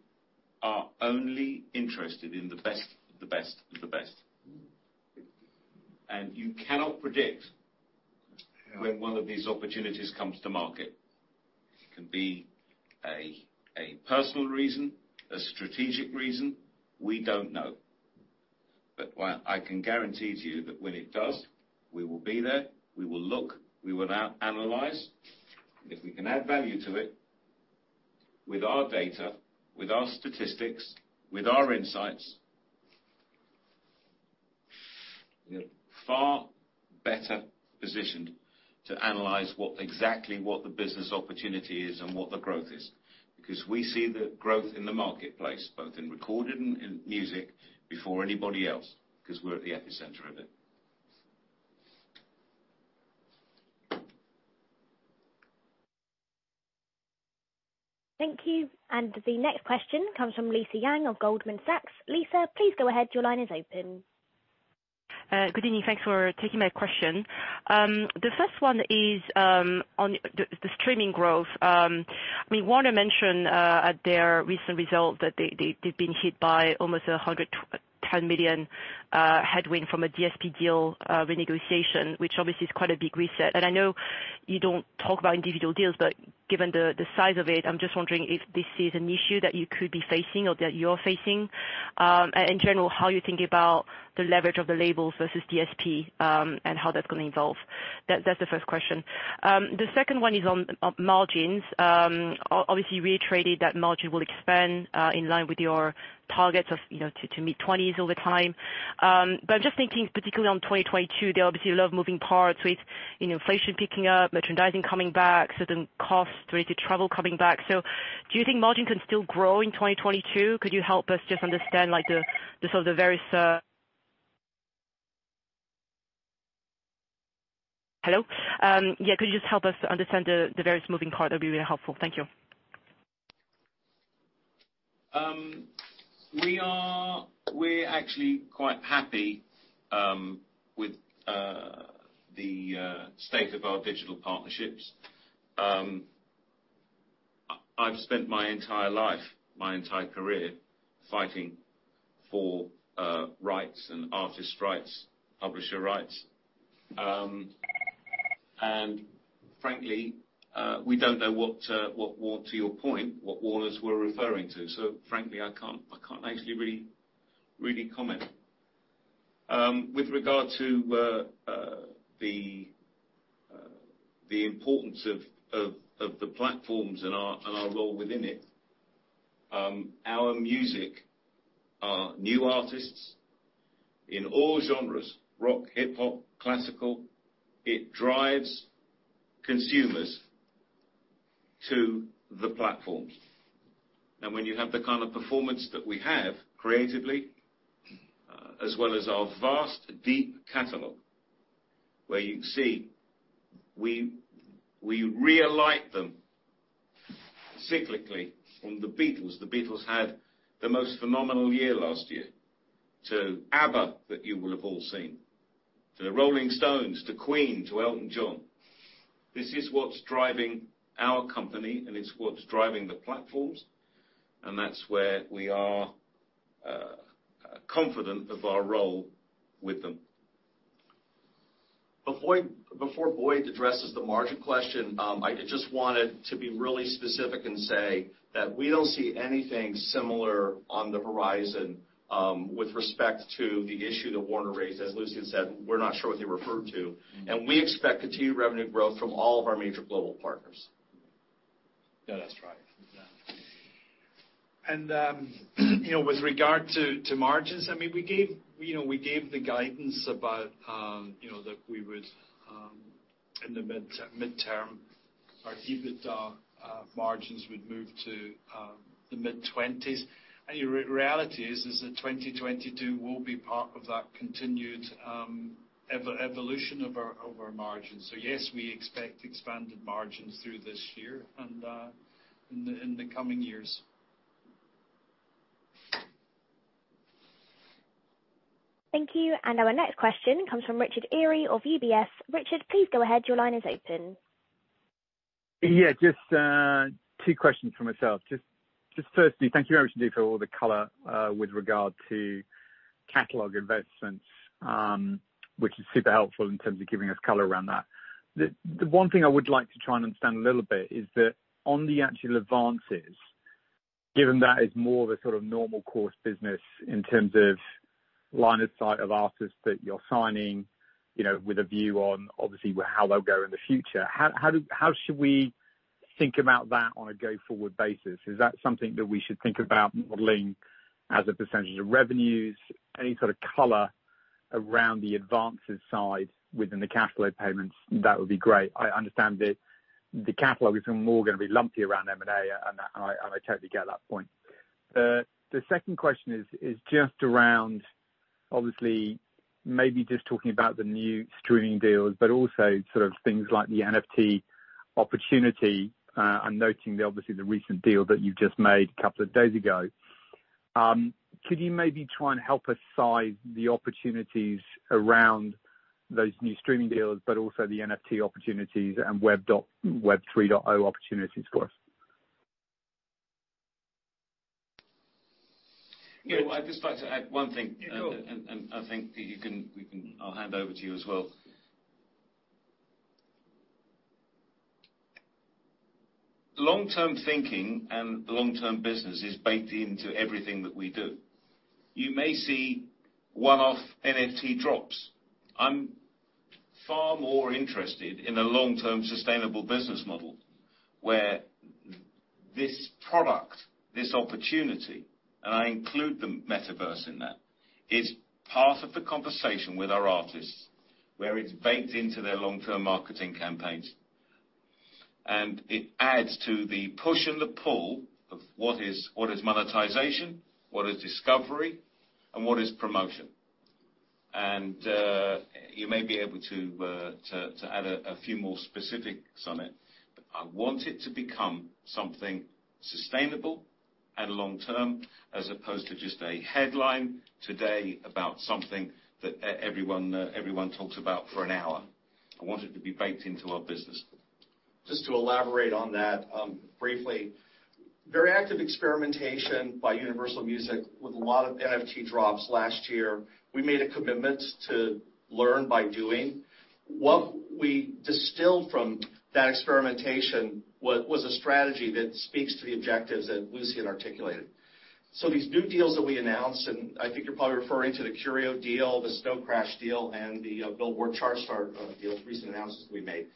[SPEAKER 2] are only interested in the best of the best of the best. You cannot predict.
[SPEAKER 3] Yeah.
[SPEAKER 2] When one of these opportunities comes to market. It can be a personal reason, a strategic reason. We don't know. What I can guarantee to you that when it does, we will be there, we will look, we will analyze. If we can add value to it with our data, with our statistics, with our insights, we are far better positioned to analyze what exactly the business opportunity is and what the growth is. Because we see the growth in the marketplace, both in recorded and in music before anybody else, 'cause we're at the epicenter of it.
[SPEAKER 1] Thank you. The next question comes from Lisa Yang of Goldman Sachs. Lisa, please go ahead. Your line is open.
[SPEAKER 6] Good evening. Thanks for taking my question. The first one is on the streaming growth. I mean, Warner mentioned at their recent result that they'd been hit by almost $120 million headwind from a DSP deal renegotiation, which obviously is quite a big reset. I know you don't talk about individual deals, but given the size of it, I'm just wondering if this is an issue that you could be facing or that you're facing. In general, how you think about the leverage of the labels versus DSP and how that's gonna evolve. That's the first question. The second one is on margins. Obviously reiterated that margin will expand in line with your targets of, you know, to mid-20s% over time. I'm just thinking particularly on 2022, there are obviously a lot of moving parts with, you know, inflation picking up, merchandising coming back, certain costs related to travel coming back. Do you think margin can still grow in 2022? Could you help us just understand like the various moving parts? That'd be really helpful. Thank you.
[SPEAKER 2] We're actually quite happy with the state of our digital partnerships. I've spent my entire life, my entire career, fighting for rights and artist rights, publisher rights. Frankly, we don't know what to your point, what Warner's were referring to. Frankly, I can't actually really comment. With regard to the importance of the platforms and our role within it, our music, our new artists in all genres, rock, hip-hop, classical. It drives consumers to the platforms. When you have the kind of performance that we have creatively, as well as our vast, deep catalog, where you can see we relight them cyclically from The Beatles. The Beatles had the most phenomenal year last year. To ABBA that you will have all seen. To The Rolling Stones, to Queen, to Elton John. This is what's driving our company, and it's what's driving the platforms, and that's where we are confident of our role with them.
[SPEAKER 3] Before Boyd addresses the margin question, I just wanted to be really specific and say that we don't see anything similar on the horizon, with respect to the issue that Warner raised. As Lucian said, we're not sure what they referred to. We expect continued revenue growth from all of our major global partners.
[SPEAKER 2] Yeah, that's right. Yeah.
[SPEAKER 3] You know, with regard to margins, I mean, we gave the guidance about, you know, that we would in the midterm our EBITDA margins would move to the mid-20s%. The reality is that 2022 will be part of that continued evolution of our margins. Yes, we expect expanded margins through this year and in the coming years.
[SPEAKER 1] Thank you. Our next question comes from Richard Eary of UBS. Richard, please go ahead. Your line is open.
[SPEAKER 7] Yeah, just two questions from myself. Just firstly, thank you very much indeed for all the color with regard to catalog investments, which is super helpful in terms of giving us color around that. The one thing I would like to try and understand a little bit is that on the actual advances, given that is more of a sort of normal course business in terms of line of sight of artists that you're signing, you know, with a view on obviously how they'll go in the future. How should we think about that on a go-forward basis? Is that something that we should think about modeling as a percentage of revenues? Any sort of color around the advances side within the cash flow payments, that would be great. I understand the catalog is more gonna be lumpy around M&A, and I totally get that point. The second question is just around obviously maybe just talking about the new streaming deals, but also sort of things like the NFT opportunity, and noting obviously the recent deal that you've just made a couple of days ago. Could you maybe try and help us size the opportunities around those new streaming deals, but also the NFT opportunities and Web3 opportunities for us?
[SPEAKER 2] You know, I'd just like to add one thing.
[SPEAKER 7] Sure.
[SPEAKER 2] I'll hand over to you as well. Long-term thinking and long-term business is baked into everything that we do. You may see one-off NFT drops. I'm far more interested in a long-term sustainable business model where this product, this opportunity, and I include the metaverse in that, is part of the conversation with our artists, where it's baked into their long-term marketing campaigns. It adds to the push and the pull of what is monetization, what is discovery, and what is promotion. You may be able to add a few more specifics on it. I want it to become something sustainable and long-term, as opposed to just a headline today about something that everyone talks about for an hour. I want it to be baked into our business.
[SPEAKER 5] Just to elaborate on that, briefly. Very active experimentation by Universal Music with a lot of NFT drops last year. We made a commitment to learn by doing. What we distilled from that experimentation was a strategy that speaks to the objectives that Lucian articulated. These new deals that we announced, and I think you're probably referring to the Curio deal, the Snowcrash deal, and the Billboard ChartStars deal, recent announcements we made.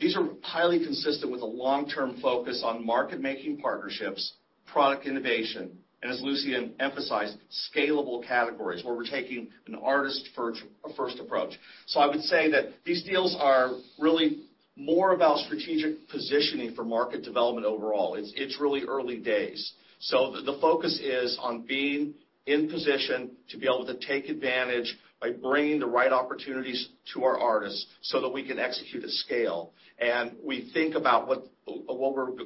[SPEAKER 5] These are highly consistent with a long-term focus on market-making partnerships, product innovation, and as Lucian emphasized, scalable categories where we're taking an artist first approach. I would say that these deals are really more about strategic positioning for market development overall. It's really early days. The focus is on being in position to be able to take advantage by bringing the right opportunities to our artists so that we can execute at scale. We think about what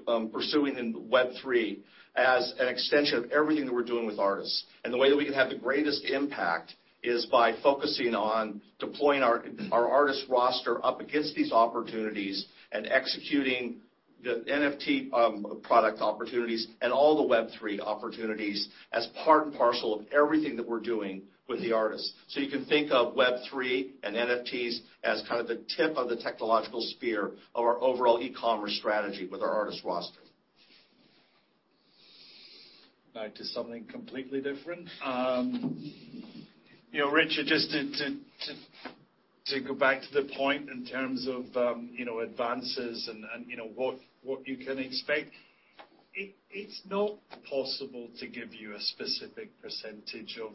[SPEAKER 5] we're pursuing in Web3 as an extension of everything that we're doing with artists. The way that we can have the greatest impact is by focusing on deploying our artist roster up against these opportunities and executing the NFT product opportunities and all the Web3 opportunities as part and parcel of everything that we're doing with the artists. You can think of Web3 and NFTs as kind of the tip of the technological spear of our overall e-commerce strategy with our artist roster.
[SPEAKER 3] Back to something completely different. You know, Richard, just to go back to the point in terms of you know, advances and you know, what you can expect. It's not possible to give you a specific percentage of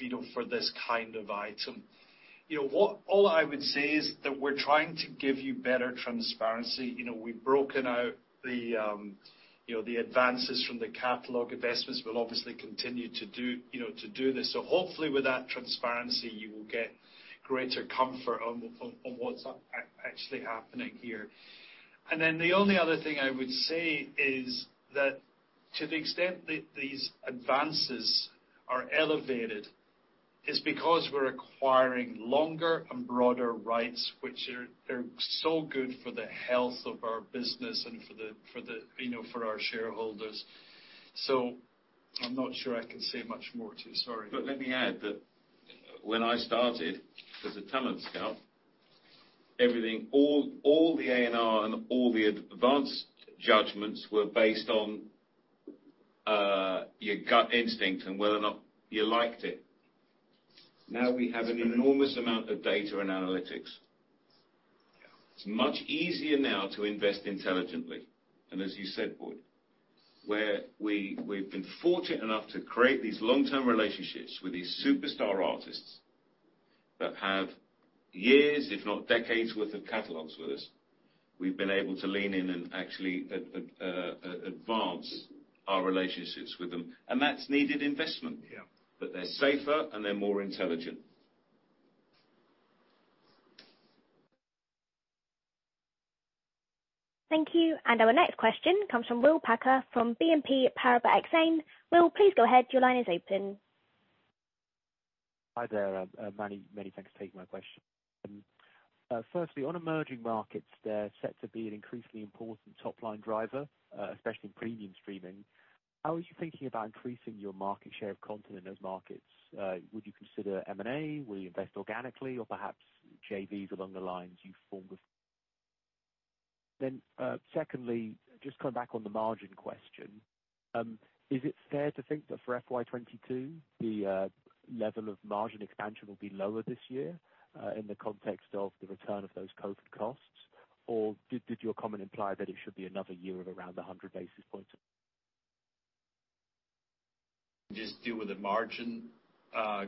[SPEAKER 3] you know, for this kind of item. You know what all I would say is that we're trying to give you better transparency. You know, we've broken out the you know, the advances from the catalog investments. We'll obviously continue to do you know, to do this. Hopefully with that transparency, you will get greater comfort on what's actually happening here. The only other thing I would say is that to the extent that these advances are elevated is because we're acquiring longer and broader rights, which are, they're so good for the health of our business and for the, you know, for our shareholders. I'm not sure I can say much more to you. Sorry.
[SPEAKER 2] Let me add that when I started as a talent scout, everything, all the A&R and all the advance judgments were based on your gut instinct and whether or not you liked it. Now we have an enormous amount of data and analytics.
[SPEAKER 3] Yeah.
[SPEAKER 2] It's much easier now to invest intelligently. As you said, Boyd, where we've been fortunate enough to create these long-term relationships with these superstar artists that have years, if not decades worth of catalogs with us. We've been able to lean in and actually advance our relationships with them. That's needed investment.
[SPEAKER 3] Yeah.
[SPEAKER 2] They're safer, and they're more intelligent.
[SPEAKER 1] Thank you. Our next question comes from William Packer from BNP Paribas Exane. Will, please go ahead. Your line is open.
[SPEAKER 8] Hi there. Many thanks for taking my question. Firstly, on emerging markets, they're set to be an increasingly important top-line driver, especially in premium streaming. How are you thinking about increasing your market share of content in those markets? Would you consider M&A, will you invest organically or perhaps JVs along the lines you formed with... Secondly, just coming back on the margin question, is it fair to think that for FY 2022, the level of margin expansion will be lower this year, in the context of the return of those COVID costs? Or did your comment imply that it should be another year of around 100 basis points?
[SPEAKER 3] Just deal with the margin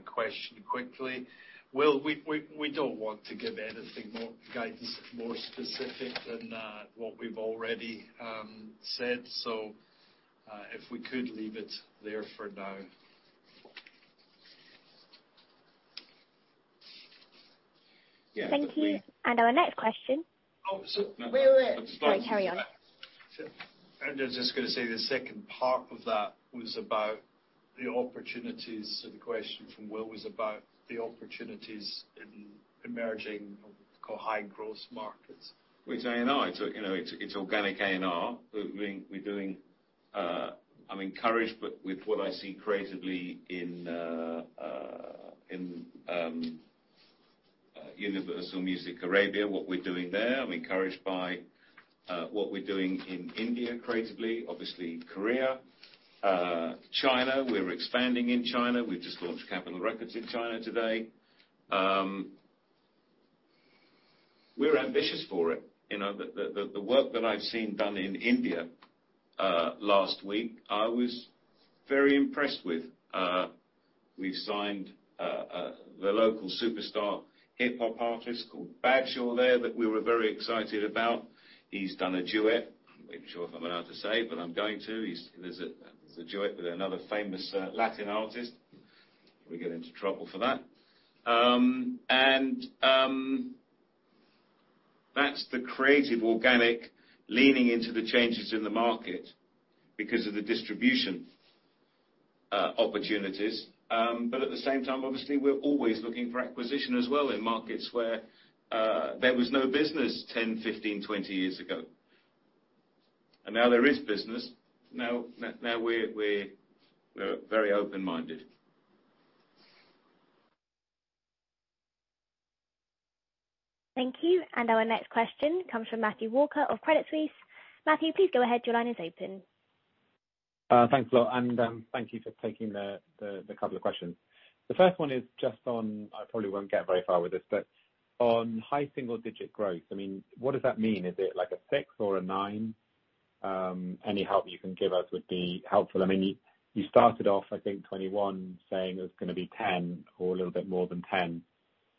[SPEAKER 3] question quickly. Will, we don't want to give any more specific guidance than what we've already said, so if we could leave it there for now.
[SPEAKER 1] Thank you. Our next question-
[SPEAKER 3] Oh, so-
[SPEAKER 1] Sorry, carry on.
[SPEAKER 3] I was just gonna say, the second part of that was about the opportunities, so the question from Will was about the opportunities in emerging or high growth markets.
[SPEAKER 2] Which A&R? It's organic A&R. I'm encouraged by what I see creatively in Universal Arabic Music, what we're doing there. I'm encouraged by what we're doing in India creatively. Obviously, Korea, China, we're expanding in China. We've just launched Capitol Records in China today. We're ambitious for it. The work that I've seen done in India last week, I was very impressed with. We signed the local superstar hip-hop artist called Badshah there that we were very excited about. He's done a duet. I'm not even sure if I'm allowed to say, but I'm going to. There's a duet with another famous Latin artist. We'll get into trouble for that. That's the creative organic leaning into the changes in the market because of the distribution opportunities. At the same time, obviously, we're always looking for acquisition as well in markets where there was no business 10, 15, 20 years ago. Now there is business. Now we're very open-minded.
[SPEAKER 1] Thank you. Our next question comes from Matthew Walker of Credit Suisse. Matthew, please go ahead. Your line is open.
[SPEAKER 9] Thanks a lot. Thank you for taking the couple of questions. The first one is just on high single digit growth. I mean, what does that mean? Is it like a 6% or a 9%? Any help you can give us would be helpful. I mean, you started off, I think 2021 saying it was gonna be 10% or a little bit more than 10%,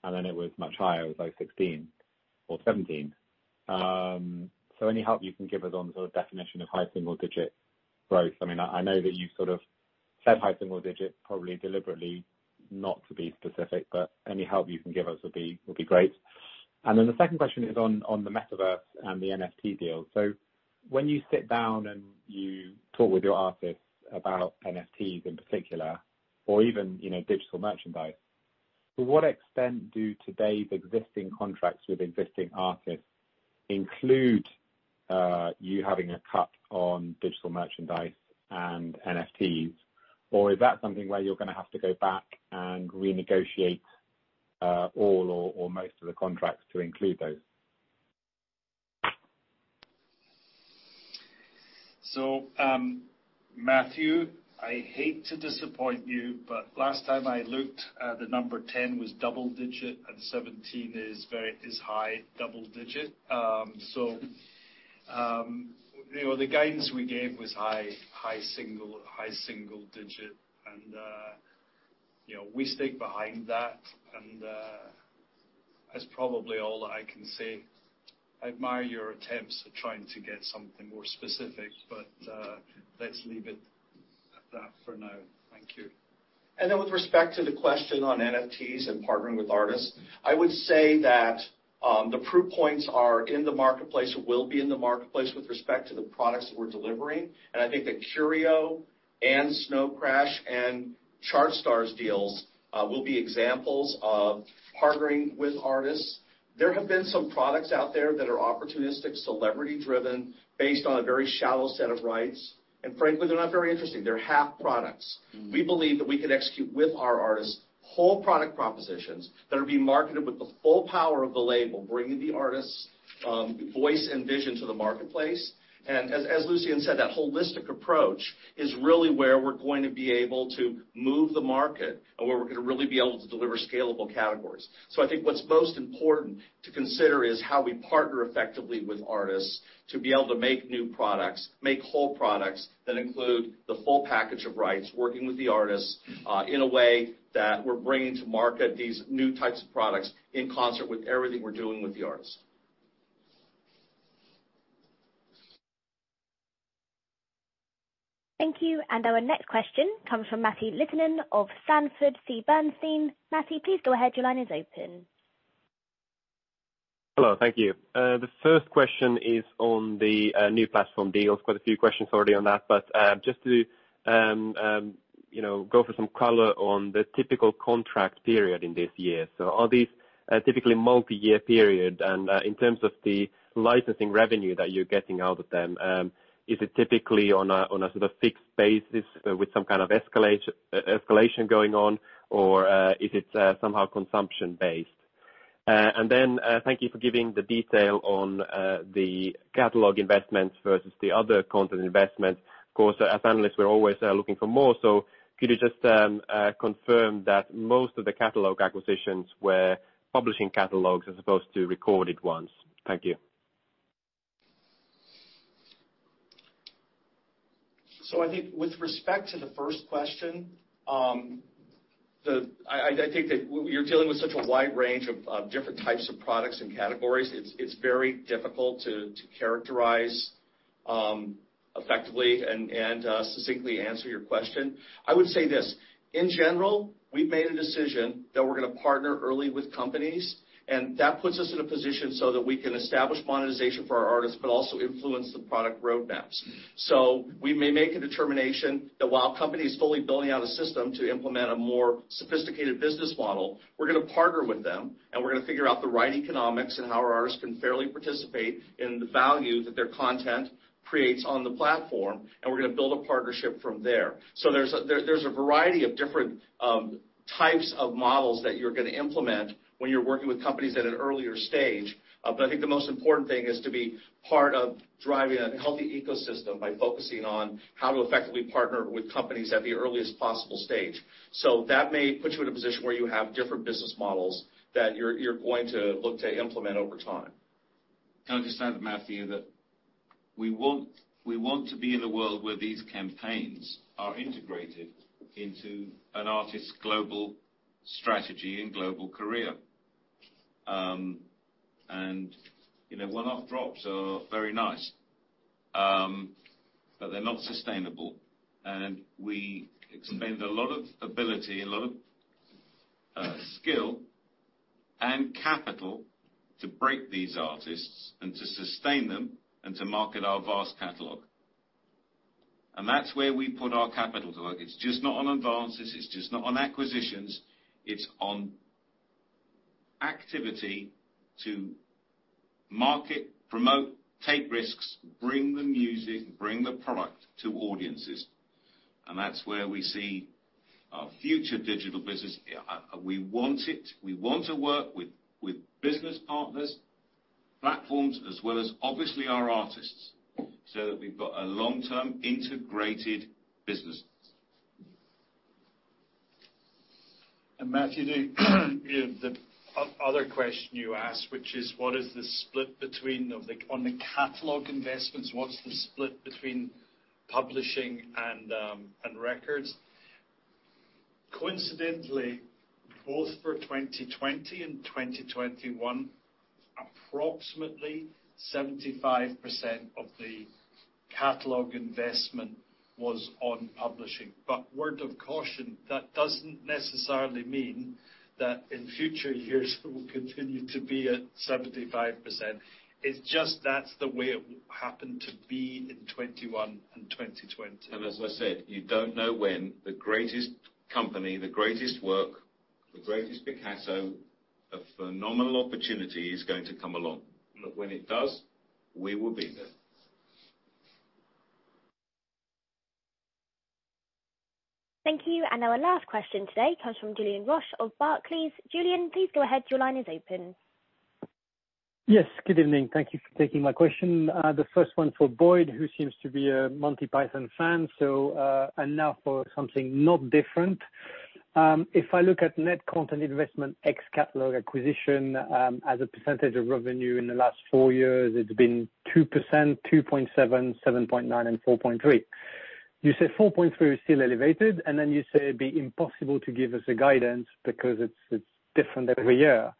[SPEAKER 9] and then it was much higher, it was like 16% or 17%. So any help you can give us on sort of definition of high single digit growth. I mean, I know that you sort of said high single digit probably deliberately not to be specific, but any help you can give us would be great. The second question is on the metaverse and the NFT deal. When you sit down and you talk with your artists about NFTs in particular, or even, you know, digital merchandise, to what extent do today's existing contracts with existing artists include you having a cut on digital merchandise and NFTs? Or is that something where you're gonna have to go back and renegotiate all or most of the contracts to include those?
[SPEAKER 3] Matthew, I hate to disappoint you, but last time I looked, the number 10 was double digit and 17 is high double digit. You know, the guidance we gave was high single digit and you know, we stick behind that. That's probably all I can say. I admire your attempts at trying to get something more specific, but let's leave it at that for now. Thank you.
[SPEAKER 5] With respect to the question on NFTs and partnering with artists, I would say that, the proof points are in the marketplace or will be in the marketplace with respect to the products that we're delivering. I think that Curio and Snowcrash and ChartStars deals will be examples of partnering with artists. There have been some products out there that are opportunistic, celebrity-driven, based on a very shallow set of rights. Frankly, they're not very interesting. They're half products. We believe that we can execute with our artists whole product propositions that are being marketed with the full power of the label, bringing the artist's voice and vision to the marketplace. As Lucian said, that holistic approach is really where we're going to be able to move the market and where we're gonna really be able to deliver scalable categories. I think what's most important to consider is how we partner effectively with artists to be able to make new products, make whole products that include the full package of rights, working with the artists, in a way that we're bringing to market these new types of products in concert with everything we're doing with the artists.
[SPEAKER 1] Thank you. Our next question comes from Matthew Harrigan of Sanford C. Bernstein. Matthew, please go ahead. Your line is open.
[SPEAKER 10] Hello. Thank you. The first question is on the new platform deals. Quite a few questions already on that, but just to, you know, get some color on the typical contract period in this year. Are these typically multi-year period? And in terms of the licensing revenue that you're getting out of them, is it typically on a sort of fixed basis with some kind of escalation going on? Or is it somehow consumption-based? Thank you for giving the detail on the catalog investments versus the other content investments. Of course, as analysts, we're always looking for more, so could you just confirm that most of the catalog acquisitions were publishing catalogs as opposed to recorded ones? Thank you.
[SPEAKER 5] I think with respect to the first question, I think that we're dealing with such a wide range of different types of products and categories, it's very difficult to characterize effectively and succinctly answer your question. I would say this: In general, we've made a decision that we're gonna partner early with companies, and that puts us in a position so that we can establish monetization for our artists but also influence the product roadmaps. We may make a determination that while a company is fully building out a system to implement a more sophisticated business model, we're gonna partner with them, and we're gonna figure out the right economics and how our artists can fairly participate in the value that their content creates on the platform, and we're gonna build a partnership from there. There's a variety of different types of models that you're gonna implement when you're working with companies at an earlier stage, but I think the most important thing is to be part of driving a healthy ecosystem by focusing on how to effectively partner with companies at the earliest possible stage. That may put you in a position where you have different business models that you're going to look to implement over time.
[SPEAKER 2] Understand, Matthew, that we want to be in a world where these campaigns are integrated into an artist's global strategy and global career. You know, one-off drops are very nice, but they're not sustainable. We expend a lot of A&R, a lot of skill and capital to break these artists and to sustain them and to market our vast catalog. That's where we put our capital to work. It's just not on advances, it's just not on acquisitions, it's on activity to market, promote, take risks, bring the music, bring the product to audiences, and that's where we see our future digital business. We want it. We want to work with business partners, platforms, as well as obviously our artists, so that we've got a long-term integrated business.
[SPEAKER 3] Matthew, the other question you asked, which is what is the split between of the on the catalog investments, what's the split between publishing and records? Coincidentally, both for 2020 and 2021, approximately 75% of the catalog investment was on publishing. Word of caution, that doesn't necessarily mean that in future years it will continue to be at 75%. It's just that's the way it happened to be in 2021 and 2020.
[SPEAKER 2] As I said, you don't know when the greatest company, the greatest work, the greatest Picasso, a phenomenal opportunity is going to come along. When it does, we will be there.
[SPEAKER 1] Thank you. Our last question today comes from Julien Roch of Barclays. Julien, please go ahead. Your line is open.
[SPEAKER 11] Yes, good evening. Thank you for taking my question. The first one for Boyd, who seems to be a Monty Python fan, and now for something not different. If I look at net content investment ex-catalog acquisition, as a percentage of revenue in the last four years, it's been 2%, 2.7%, 7.9%, and 4.3%. You say 4.3% is still elevated, and then you say it'd be impossible to give us a guidance because it's different every year.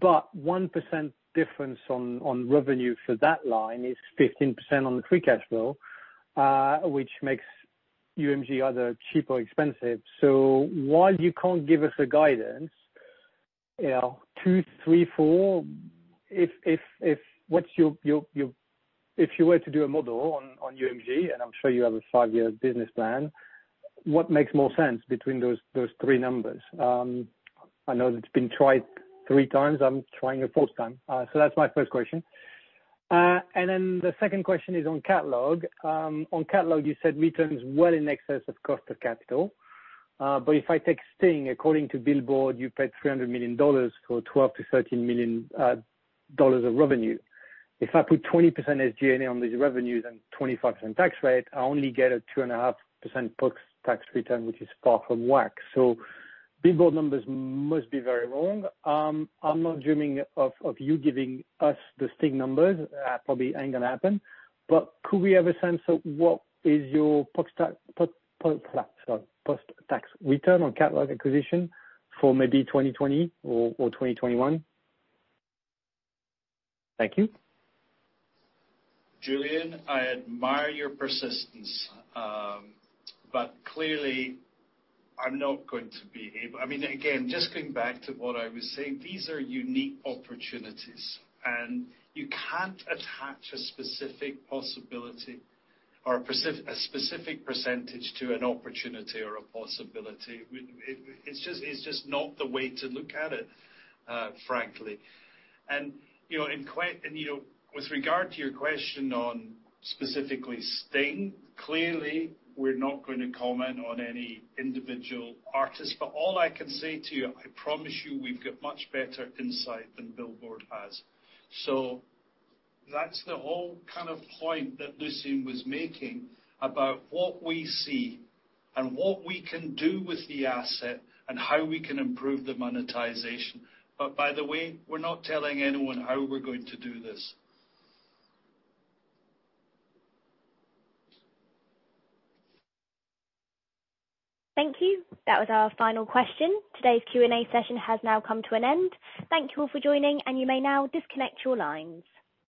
[SPEAKER 11] 1% difference on revenue for that line is 15% on the free cash flow, which makes UMG either cheap or expensive. While you can't give us guidance, you know, two, three, four. If you were to do a model on UMG, and I'm sure you have a five-year business plan, what makes more sense between those three numbers? I know that it's been tried three times. I'm trying a fourth time. That's my first question. The second question is on catalog. On catalog you said returns well in excess of cost of capital, but if I take Sting, according to Billboard, you paid $300 million for $12 million-$13 million of revenue. If I put 20% SG&A on these revenues and 25% tax rate, I only get a 2.5% post-tax return, which is far from WACC. Billboard numbers must be very wrong. I'm not dreaming of you giving us the Sting numbers. Probably ain't gonna happen. Could we have a sense of what is your post-tax return on catalog acquisition for maybe 2020 or 2021? Thank you.
[SPEAKER 3] Julien, I admire your persistence, but clearly I'm not going to be able to. I mean, again, just going back to what I was saying, these are unique opportunities, and you can't attach a specific possibility or a specific percentage to an opportunity or a possibility. It's just not the way to look at it, frankly. You know, with regard to your question on specifically Sting, clearly we're not going to comment on any individual artist. All I can say to you, I promise you we've got much better insight than Billboard has. That's the whole kind of point that Lucian was making about what we see and what we can do with the asset and how we can improve the monetization. By the way, we're not telling anyone how we're going to do this.
[SPEAKER 1] Thank you. That was our final question. Today's Q&A session has now come to an end. Thank you all for joining, and you may now disconnect your lines.